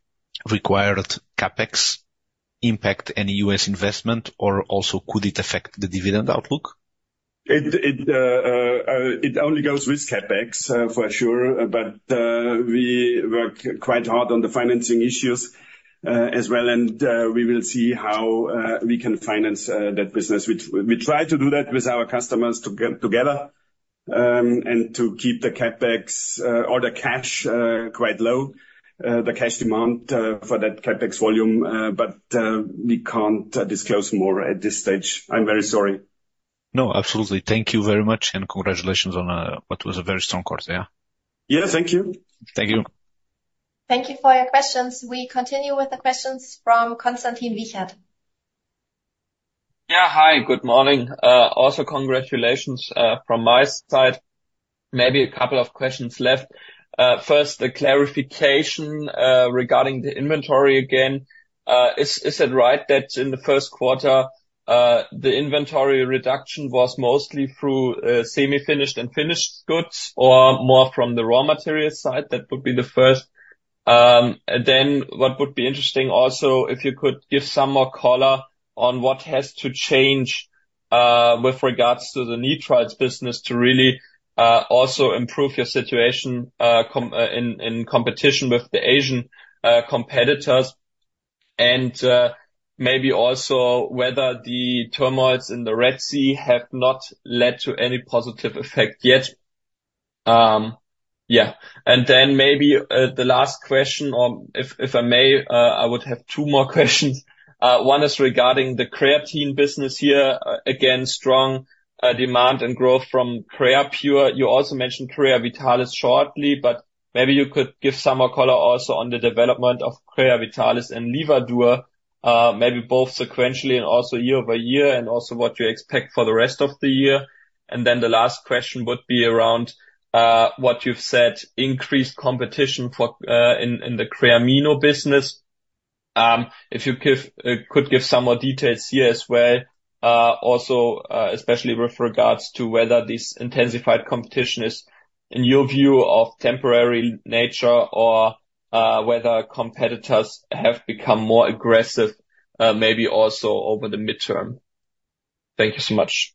required CapEx impact any U.S. investment, or also could it affect the dividend outlook? It only goes with CapEx for sure. But we work quite hard on the financing issues as well. And we will see how we can finance that business. We try to do that with our customers together and to keep the CapEx or the cash quite low, the cash demand for that CapEx volume. But we can't disclose more at this stage. I'm very sorry. No, absolutely. Thank you very much. Congratulations on what was a very strong quarter, yeah? Yeah. Thank you. Thank you. Thank you for your questions. We continue with the questions from Konstantin Wiechert. Yeah. Hi. Good morning. Also, congratulations from my side. Maybe a couple of questions left. First, a clarification regarding the inventory again. Is it right that in the Q1, the inventory reduction was mostly through semi-finished and finished goods or more from the raw materials side? That would be the first. Then what would be interesting also, if you could give some more color on what has to change with regards to the nitrites business to really also improve your situation in competition with the Asian competitors and maybe also whether the turmoils in the Red Sea have not led to any positive effect yet. Yeah. And then maybe the last question, or if I may, I would have two more questions. One is regarding the creatine business here, again, strong demand and growth from Creapure. You also mentioned Creavitalis shortly, but maybe you could give some more color also on the development of Creavitalis and Livadur, maybe both sequentially and also year-over-year and also what you expect for the rest of the year. And then the last question would be around what you've said, increased competition in the Creamino business. If you could give some more details here as well, also especially with regards to whether this intensified competition is, in your view, of temporary nature or whether competitors have become more aggressive, maybe also over the midterm. Thank you so much.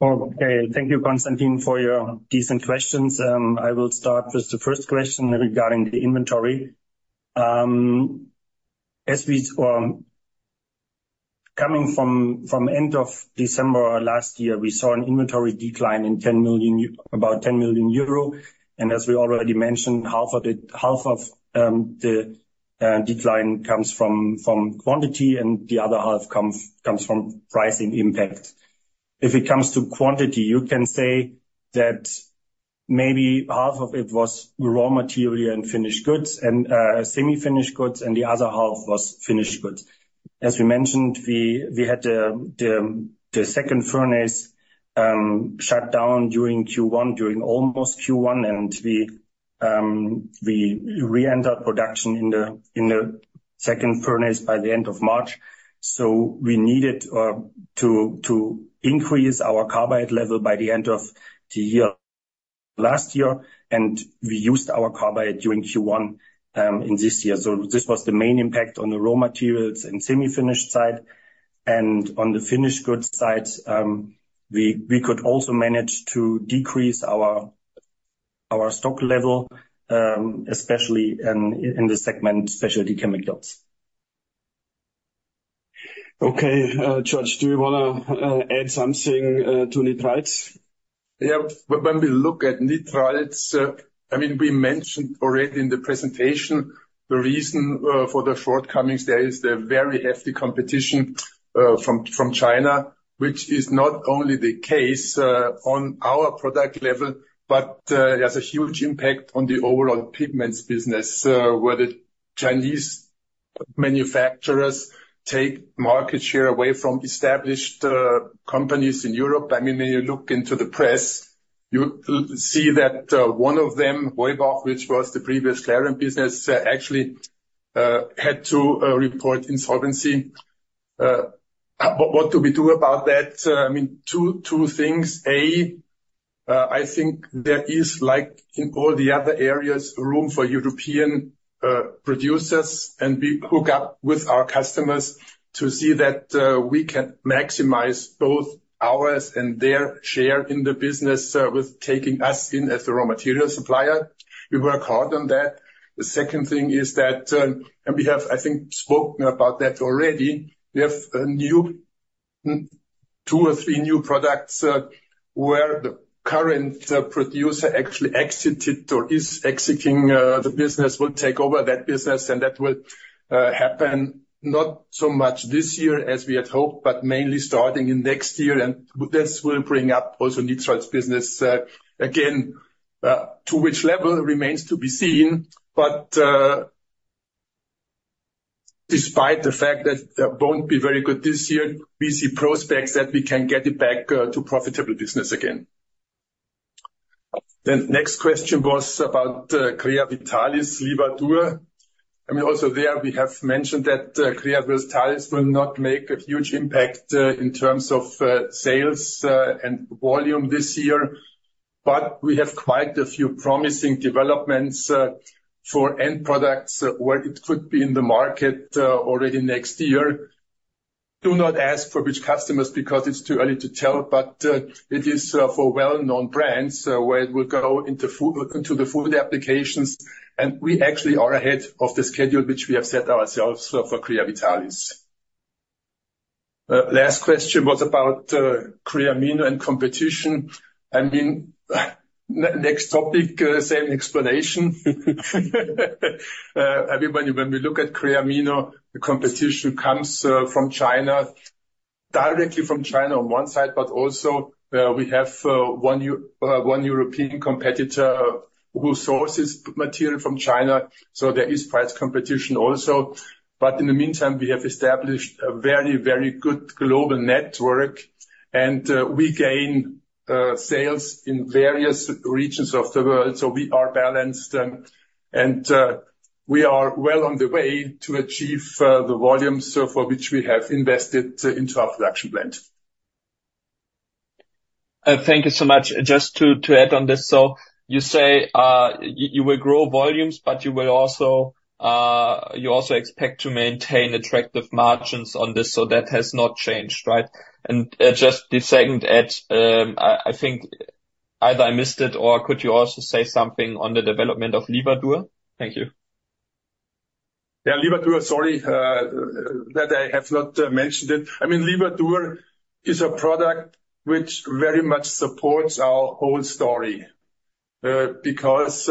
Okay. Thank you, Konstantin, for your decent questions. I will start with the first question regarding the inventory. Coming from end of December last year, we saw an inventory decline in about 10 million euro. As we already mentioned, half of the decline comes from quantity, and the other half comes from pricing impact. If it comes to quantity, you can say that maybe half of it was raw material and finished goods and semi-finished goods, and the other half was finished goods. As we mentioned, we had the second furnace shut down during Q1, during almost Q1, and we reentered production in the second furnace by the end of March. We needed to increase our carbide level by the end of the year last year, and we used our carbide during Q1 in this year. This was the main impact on the raw materials and semi-finished side. On the finished goods side, we could also manage to decrease our stock level, especially in the segment specialty chemicals. Okay. Georg, do you want to add something to nitrites? Yeah. When we look at nitrites, I mean, we mentioned already in the presentation, the reason for the shortcomings there is the very hefty competition from China, which is not only the case on our product level, but has a huge impact on the overall pigments business where the Chinese manufacturers take market share away from established companies in Europe. I mean, when you look into the press, you see that one of them, Heubach, which was the previous Clariant business, actually had to report insolvency. What do we do about that? I mean, two things. A, I think there is, like in all the other areas, room for European producers and hook up with our customers to see that we can maximize both ours and their share in the business with taking us in as the raw material supplier. We work hard on that. The second thing is that, and we have, I think, spoken about that already, we have two or three new products where the current producer actually exited or is exiting the business will take over that business. And that will happen not so much this year as we had hoped, but mainly starting in next year. And this will bring up also nitrites business again, to which level remains to be seen. But despite the fact that it won't be very good this year, we see prospects that we can get it back to profitable business again. The next question was about Creavitalis Livadur. I mean, also there, we have mentioned that Creavitalis will not make a huge impact in terms of sales and volume this year. But we have quite a few promising developments for end products where it could be in the market already next year. Do not ask for which customers because it's too early to tell, but it is for well-known brands where it will go into the food applications. We actually are ahead of the schedule which we have set ourselves for Creavitalis. Last question was about Creamino and competition. I mean, next topic, same explanation. Everyone, when we look at Creamino, the competition comes from China, directly from China on one side. But also, we have one European competitor who sources material from China. So there is price competition also. But in the meantime, we have established a very, very good global network. We gain sales in various regions of the world. So we are balanced. We are well on the way to achieve the volumes for which we have invested into our production plant. Thank you so much. Just to add on this, so you say you will grow volumes, but you also expect to maintain attractive margins on this. So that has not changed, right? And just the second add, I think either I missed it or could you also say something on the development of Livadur®? Thank you. Yeah. Livadur, sorry that I have not mentioned it. I mean, Livadur is a product which very much supports our whole story because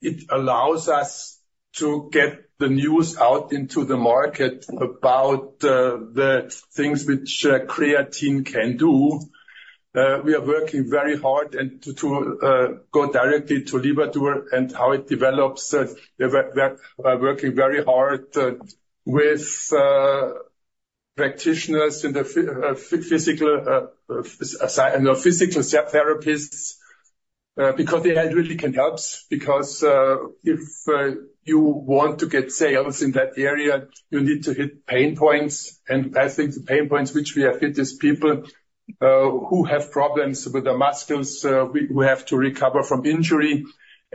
it allows us to get the news out into the market about the things which creatine can do. We are working very hard and to go directly to Livadur and how it develops. We're working very hard with practitioners in the physical therapists because the help really can help because if you want to get sales in that area, you need to hit pain points. And I think the pain points which we have hit is people who have problems with the muscles who have to recover from injury.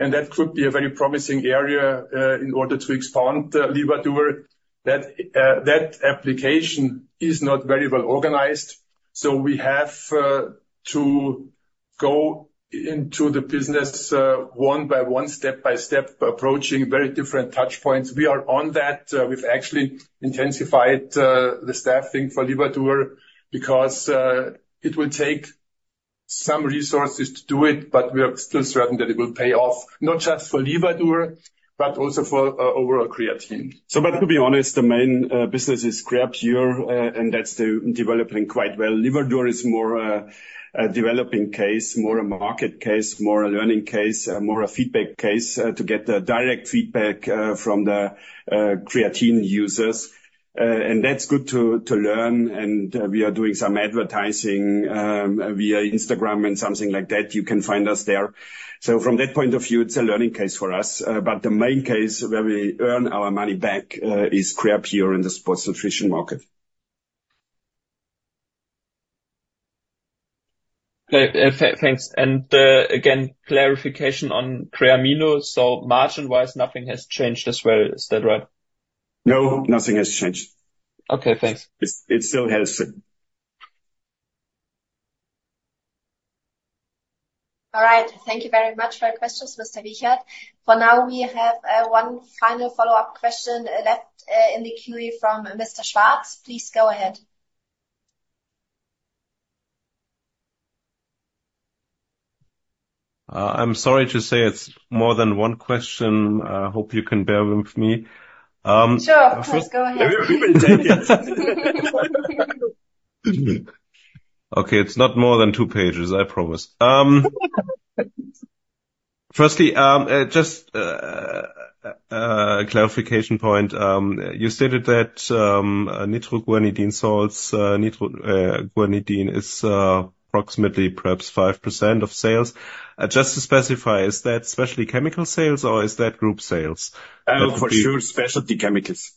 And that could be a very promising area in order to expand Livadur. That application is not very well organized. So we have to go into the business one by one, step by step, approaching very different touchpoints. We are on that. We've actually intensified the staffing for Livadur because it will take some resources to do it, but we are still certain that it will pay off, not just for Livadur, but also for overall creatine. So to be honest, the main business is Creapure, and that's developing quite well. Livadur® is more a developing case, more a market case, more a learning case, more a feedback case to get the direct feedback from the creatine users. And that's good to learn. And we are doing some advertising via Instagram and something like that. You can find us there. So from that point of view, it's a learning case for us. But the main case where we earn our money back is Creapure in the sports nutrition market. Okay. Thanks. And again, clarification on Creamino. So margin-wise, nothing has changed as well. Is that right? No. Nothing has changed. Okay. Thanks. It still helps. All right. Thank you very much for your questions, Mr. Wiechert. For now, we have one final follow-up question left in the queue from Mr. Schwarz. Please go ahead. I'm sorry to say it's more than one question. I hope you can bear with me. Sure. Please go ahead. We will take it. Okay. It's not more than two pages. I promise. Firstly, just a clarification point. You stated that nitroguanidine salts nitroguanidine is approximately perhaps 5% of sales. Just to specify, is that specialty chemicals sales, or is that group sales? For sure, specialty chemicals.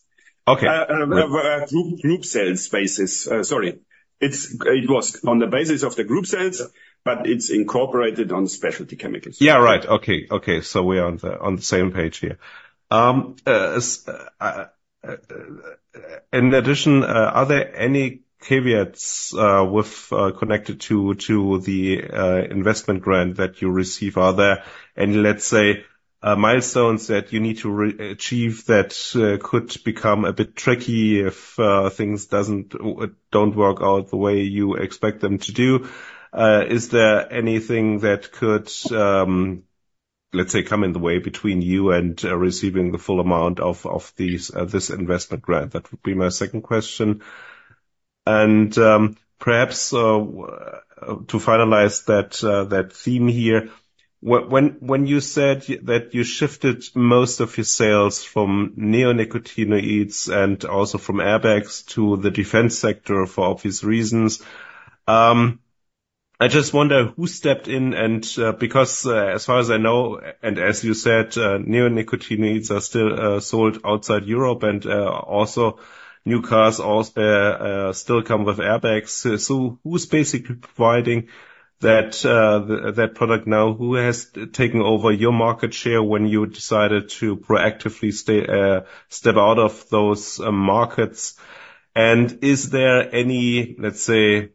Group sales basis. Sorry. It was on the basis of the group sales, but it's incorporated on specialty chemicals. Yeah. Right. Okay. Okay. So we are on the same page here. In addition, are there any caveats connected to the investment grant that you receive? Are there any, let's say, milestones that you need to achieve that could become a bit tricky if things don't work out the way you expect them to do? Is there anything that could, let's say, come in the way between you and receiving the full amount of this investment grant? That would be my second question. And perhaps to finalize that theme here, when you said that you shifted most of your sales from neonicotinoids and also from airbags to the defense sector for obvious reasons, I just wonder who stepped in. And because as far as I know and as you said, neonicotinoids are still sold outside Europe, and also new cars still come with airbags. So who's basically providing that product now? Who has taken over your market share when you decided to proactively step out of those markets? And is there any, let's say,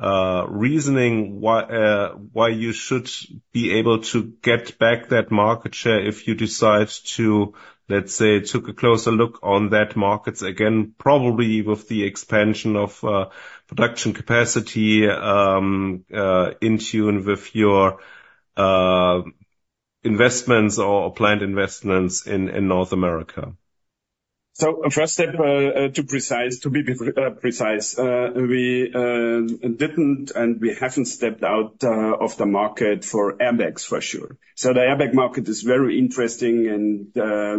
reasoning why you should be able to get back that market share if you decide to, let's say, took a closer look on that markets again, probably with the expansion of production capacity in tune with your investments or plant investments in North America? First step, to be precise, we didn't and we haven't stepped out of the market for airbags, for sure. The airbag market is very interesting, and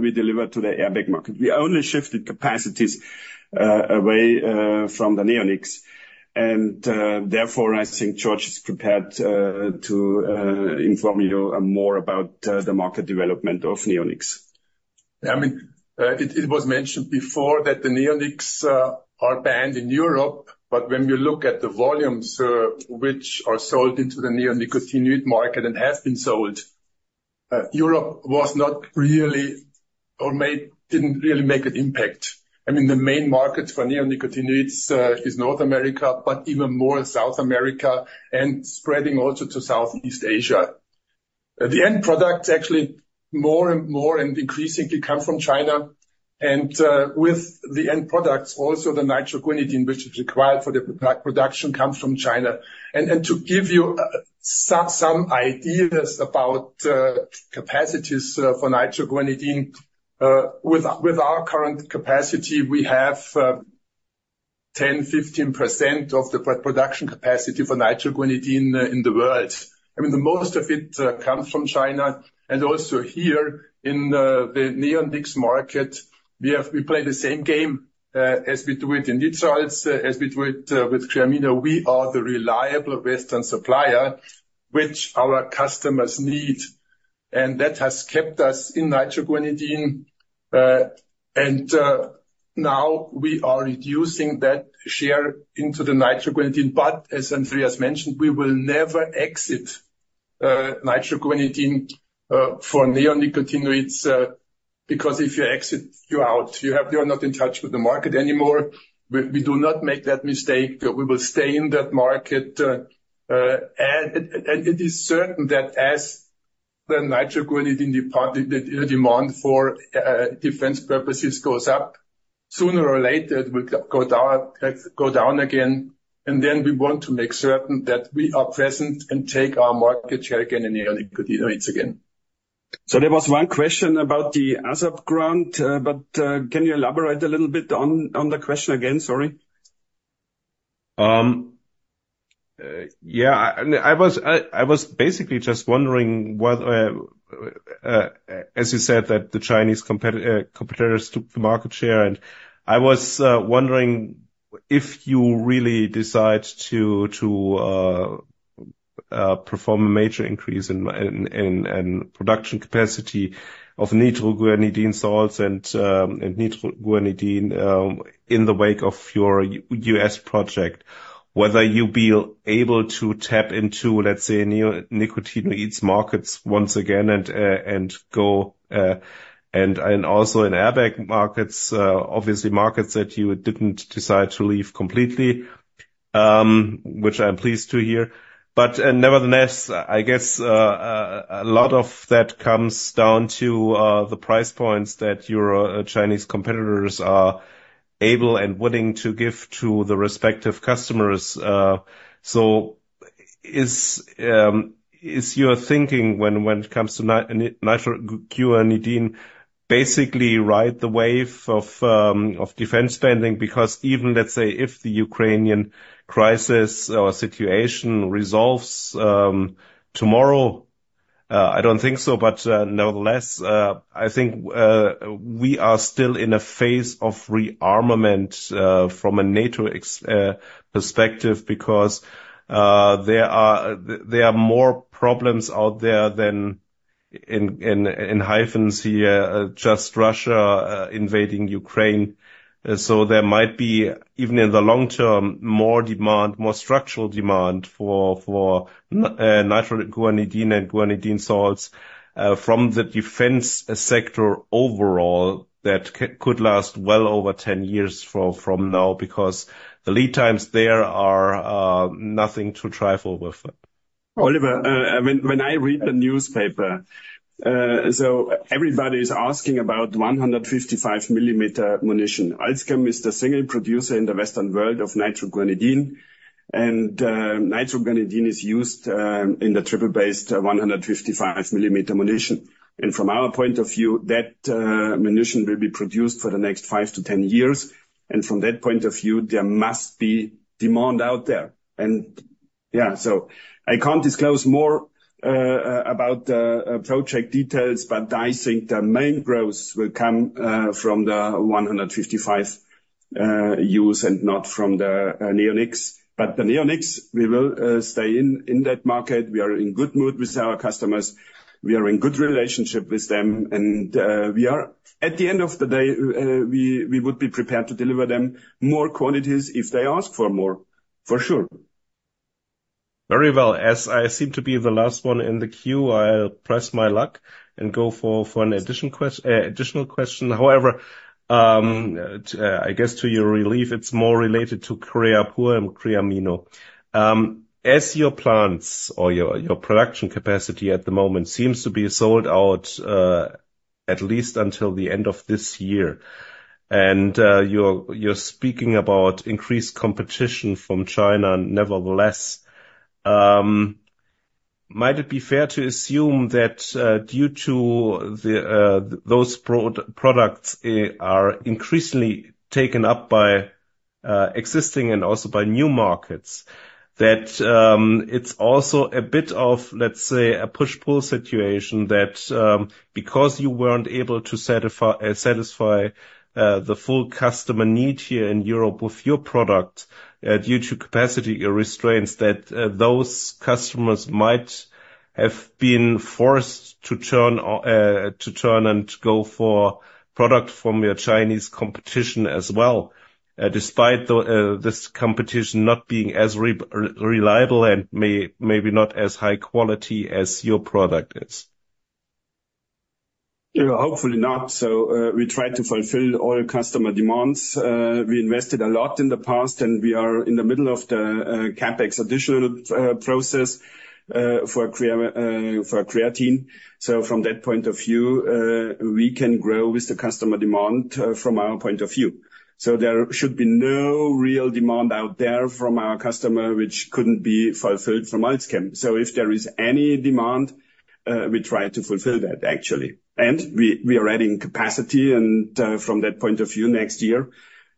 we deliver to the airbag market. We only shifted capacities away from the neonics. And therefore, I think Georg is prepared to inform you more about the market development of neonics. Yeah. I mean, it was mentioned before that the neonicotinoids are banned in Europe. But when you look at the volumes which are sold into the neonicotinoid market and have been sold, Europe was not really or didn't really make an impact. I mean, the main market for neonicotinoids is North America, but even more South America and spreading also to Southeast Asia. The end products, actually, more and more and increasingly come from China. And with the end products, also the nitroguanidine, which is required for the production, comes from China. And to give you some ideas about capacities for nitroguanidine, with our current capacity, we have 10% to 15% of the production capacity for nitroguanidine in the world. I mean, most of it comes from China. And also here in the neonicotinoid market, we play the same game as we do it in nitroguanidine, as we do it with Creamino. We are the reliable Western supplier, which our customers need. And that has kept us in nitroguanidine. And now we are reducing that share into the nitroguanidine. But as Andreas mentioned, we will never exit nitroguanidine for neonicotinoids because if you exit, you're out. You're not in touch with the market anymore. We do not make that mistake. We will stay in that market. And it is certain that as the nitroguanidine demand for defense purposes goes up, sooner or later, it will go down again. And then we want to make certain that we are present and take our market share again in neonicotinoids again. There was one question about the ASAP grant. But can you elaborate a little bit on the question again? Sorry. Yeah. I was basically just wondering, as you said, that the Chinese competitors took the market share. And I was wondering if you really decide to perform a major increase in production capacity of nitroguanidine salts and nitroguanidine in the wake of your U.S. project, whether you'll be able to tap into, let's say, neonicotinoids markets once again and go and also in airbag markets, obviously markets that you didn't decide to leave completely, which I'm pleased to hear. But nevertheless, I guess a lot of that comes down to the price points that your Chinese competitors are able and willing to give to the respective customers. So is your thinking when it comes to nitroguanidine basically ride the wave of defense spending? Because even, let's say, if the Ukrainian crisis or situation resolves tomorrow, I don't think so. But nevertheless, I think we are still in a phase of rearmament from a NATO perspective because there are more problems out there than just happens here, just Russia invading Ukraine. So there might be, even in the long term, more demand, more structural demand for nitroguanidine and guanidine salts from the defense sector overall that could last well over 10 years from now because the lead times there are nothing to trifle with. Oliver, when I read the newspaper, so everybody is asking about 155mm ammunition. AlzChem is the single producer in the Western world of nitroguanidine. Nitroguanidine is used in the triple-base 155mm ammunition. From our point of view, that ammunition will be produced for the next five to 10 years. From that point of view, there must be demand out there. Yeah, so I can't disclose more about the project details, but I think the main growth will come from the 155 use and not from the neonicotinoids. The neonicotinoids, we will stay in that market. We are in good mood with our customers. We are in good relationship with them. At the end of the day, we would be prepared to deliver them more quantities if they ask for more, for sure. Very well. As I seem to be the last one in the queue, I'll press my luck and go for an additional question. However, I guess to your relief, it's more related to Creapure and Creamino. As your plants or your production capacity at the moment seems to be sold out, at least until the end of this year, and you're speaking about increased competition from China, nevertheless, might it be fair to assume that due to those products are increasingly taken up by existing and also by new markets, that it's also a bit of, let's say, a push-pull situation that because you weren't able to satisfy the full customer need here in Europe with your product due to capacity restraints, that those customers might have been forced to turn and go for product from your Chinese competition as well, despite this competition not being as reliable and maybe not as high quality as your product is? Hopefully not. We try to fulfill all customer demands. We invested a lot in the past, and we are in the middle of the CapEx additional process for creatine. From that point of view, we can grow with the customer demand from our point of view. There should be no real demand out there from our customer, which couldn't be fulfilled from Alzchem. If there is any demand, we try to fulfill that, actually. We are adding capacity. From that point of view, next year,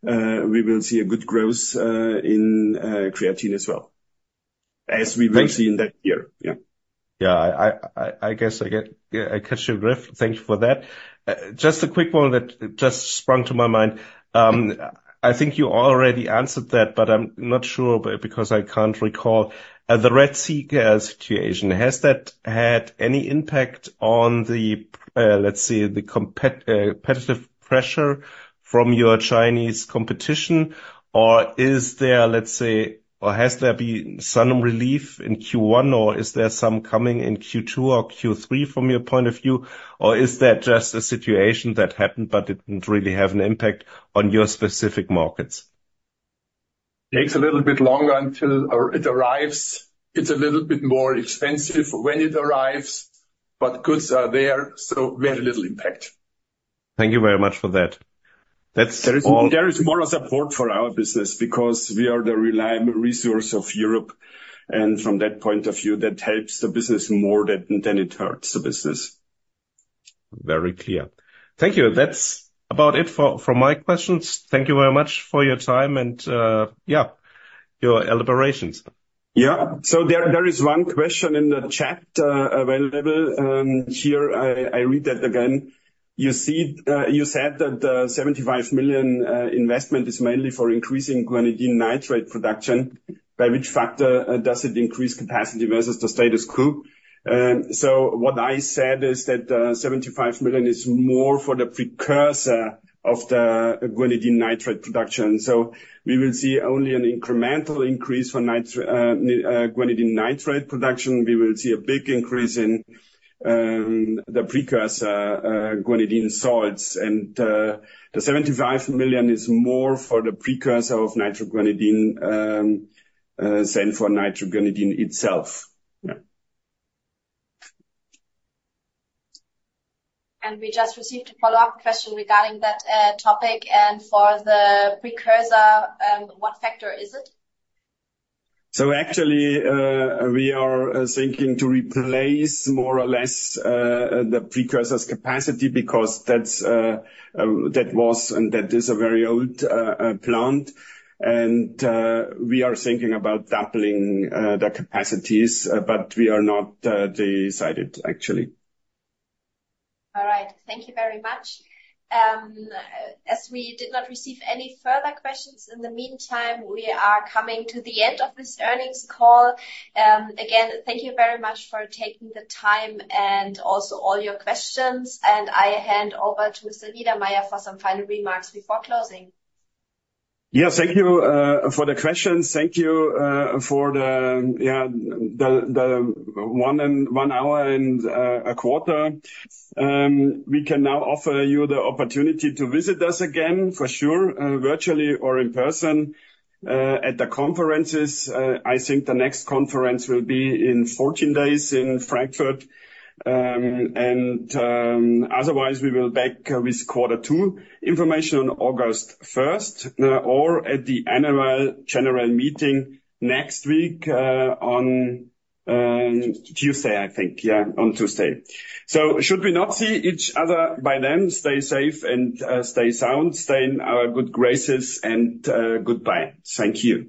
we will see a good growth in creatine as well, as we will see in that year. Yeah. Yeah. I guess I catch your drift. Thank you for that. Just a quick one that just sprung to my mind. I think you already answered that, but I'm not sure because I can't recall. The Red Sea situation, has that had any impact on, let's say, the competitive pressure from your Chinese competition? Or is there, let's say, or has there been some relief in Q1, or is there some coming in Q2 or Q3 from your point of view? Or is that just a situation that happened but didn't really have an impact on your specific markets? Takes a little bit longer until it arrives. It's a little bit more expensive when it arrives, but goods are there, so very little impact. Thank you very much for that. That's all. There is more support for our business because we are the reliable resource of Europe. From that point of view, that helps the business more than it hurts the business. Very clear. Thank you. That's about it for my questions. Thank you very much for your time and, yeah, your elaborations. Yeah. So there is one question in the chat available here. I read that again. You said that 75 million investment is mainly for increasing guanidine nitrate production. By which factor does it increase capacity versus the status quo? So what I said is that 75 million is more for the precursor of the guanidine nitrate production. So we will see only an incremental increase for guanidine nitrate production. We will see a big increase in the precursor guanidine salts. And the 75 million is more for the precursor of nitroguanidine than for nitroguanidine itself. Yeah. We just received a follow-up question regarding that topic. For the precursor, what factor is it? Actually, we are thinking to replace more or less the precursor's capacity because that was and that is a very old plant. We are thinking about doubling the capacities, but we are not decided, actually. All right. Thank you very much. As we did not receive any further questions in the meantime, we are coming to the end of this earnings call. Again, thank you very much for taking the time and also all your questions. I hand over to Mr. Niedermaier for some final remarks before closing. Yeah. Thank you for the questions. Thank you for the, yeah, the one hour and a quarter. We can now offer you the opportunity to visit us again, for sure, virtually or in person at the conferences. I think the next conference will be in 14 days in Frankfurt. And otherwise, we will be back with quarter two information on August 1st or at the annual general meeting next week on Tuesday, I think. Yeah, on Tuesday. So should we not see each other by then, stay safe and sound, stay in our good graces, and goodbye. Thank you.